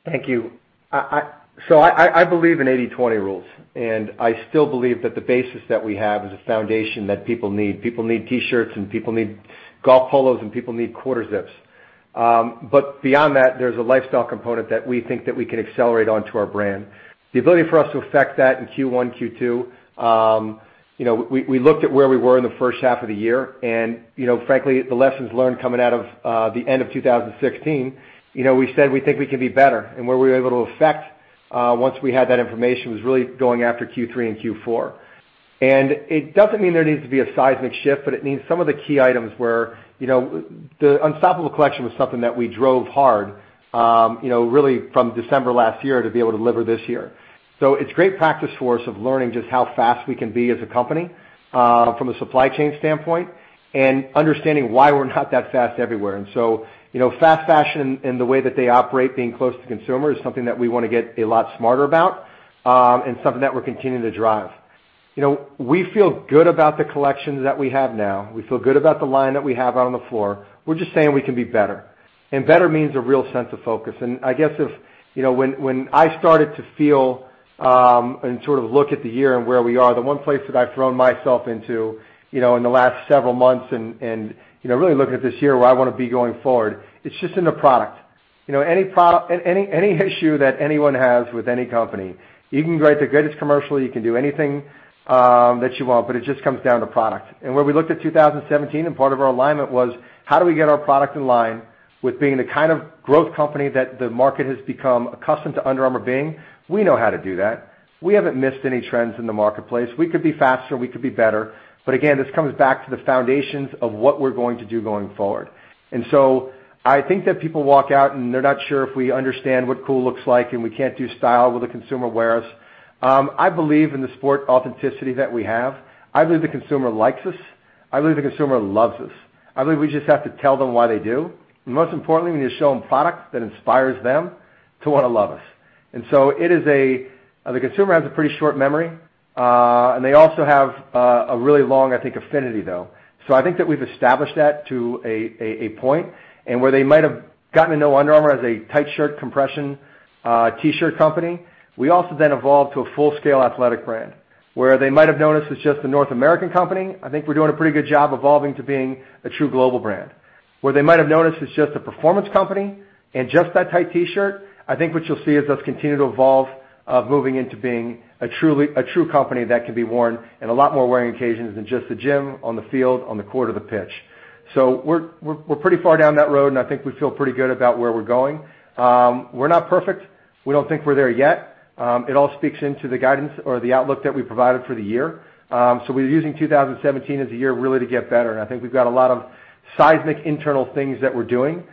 Thank you. I believe in 80/20 rules, and I still believe that the basis that we have is a foundation that people need. People need T-shirts, and people need golf polos, and people need quarter zips. But beyond that, there's a lifestyle component that we think that we can accelerate onto our brand. The ability for us to affect that in Q1, Q2, we looked at where we were in the first half of the year, and frankly, the lessons learned coming out of the end of 2016, we said we think we can be better. Where we were able to affect, once we had that information, was really going after Q3 and Q4. It doesn't mean there needs to be a seismic shift, but it means some of the key items the Unstoppable Collection was something that we drove hard really from December last year to be able to deliver this year. It's great practice for us of learning just how fast we can be as a company, from a supply chain standpoint, and understanding why we're not that fast everywhere. Fast fashion and the way that they operate, being close to consumers, is something that we want to get a lot smarter about, and something that we're continuing to drive. We feel good about the collections that we have now. We feel good about the line that we have out on the floor. We're just saying we can be better. Better means a real sense of focus. I guess if, when I started to feel, and sort of look at the year and where we are, the one place that I've thrown myself into, in the last several months and really looking at this year where I want to be going forward, it's just in the product. Any issue that anyone has with any company, you can write the greatest commercial, you can do anything that you want, but it just comes down to product. Where we looked at 2017 and part of our alignment was, how do we get our product in line with being the kind of growth company that the market has become accustomed to Under Armour being? We know how to do that. We haven't missed any trends in the marketplace. We could be faster, we could be better, but again, this comes back to the foundations of what we're going to do going forward. I think that people walk out and they're not sure if we understand what cool looks like, and we can't do style where the consumer wears. I believe in the sport authenticity that we have. I believe the consumer likes us. I believe the consumer loves us. I believe we just have to tell them why they do. Most importantly, we need to show them product that inspires them to want to love us. The consumer has a pretty short memory, and they also have a really long, I think, affinity, though. I think that we've established that to a point, and where they might have gotten to know Under Armour as a tight shirt compression T-shirt company, we also then evolved to a full-scale athletic brand. Where they might have known us as just a North American company, I think we're doing a pretty good job evolving to being a true global brand. Where they might have known us as just a performance company and just that tight T-shirt, I think what you'll see is us continue to evolve, moving into being a true company that can be worn in a lot more wearing occasions than just the gym, on the field, on the court, or the pitch. We're pretty far down that road, and I think we feel pretty good about where we're going. We're not perfect. We don't think we're there yet. It all speaks into the guidance or the outlook that we provided for the year. We're using 2017 as a year really to get better, and I think we've got a lot of seismic internal things that we're doing.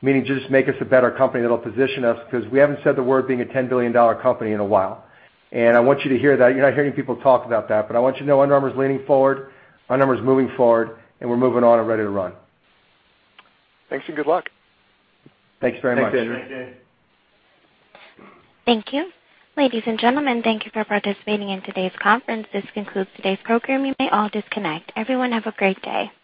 Meaning just make us a better company that'll position us, because we haven't said the word being a $10 billion company in a while. I want you to hear that. You're not hearing people talk about that, but I want you to know Under Armour is leaning forward, Under Armour is moving forward, and we're moving on and ready to run. Thanks, and good luck. Thanks very much. Thanks, Andrew. Thank you. Ladies and gentlemen, thank you for participating in today's conference. This concludes today's program. You may all disconnect. Everyone have a great day.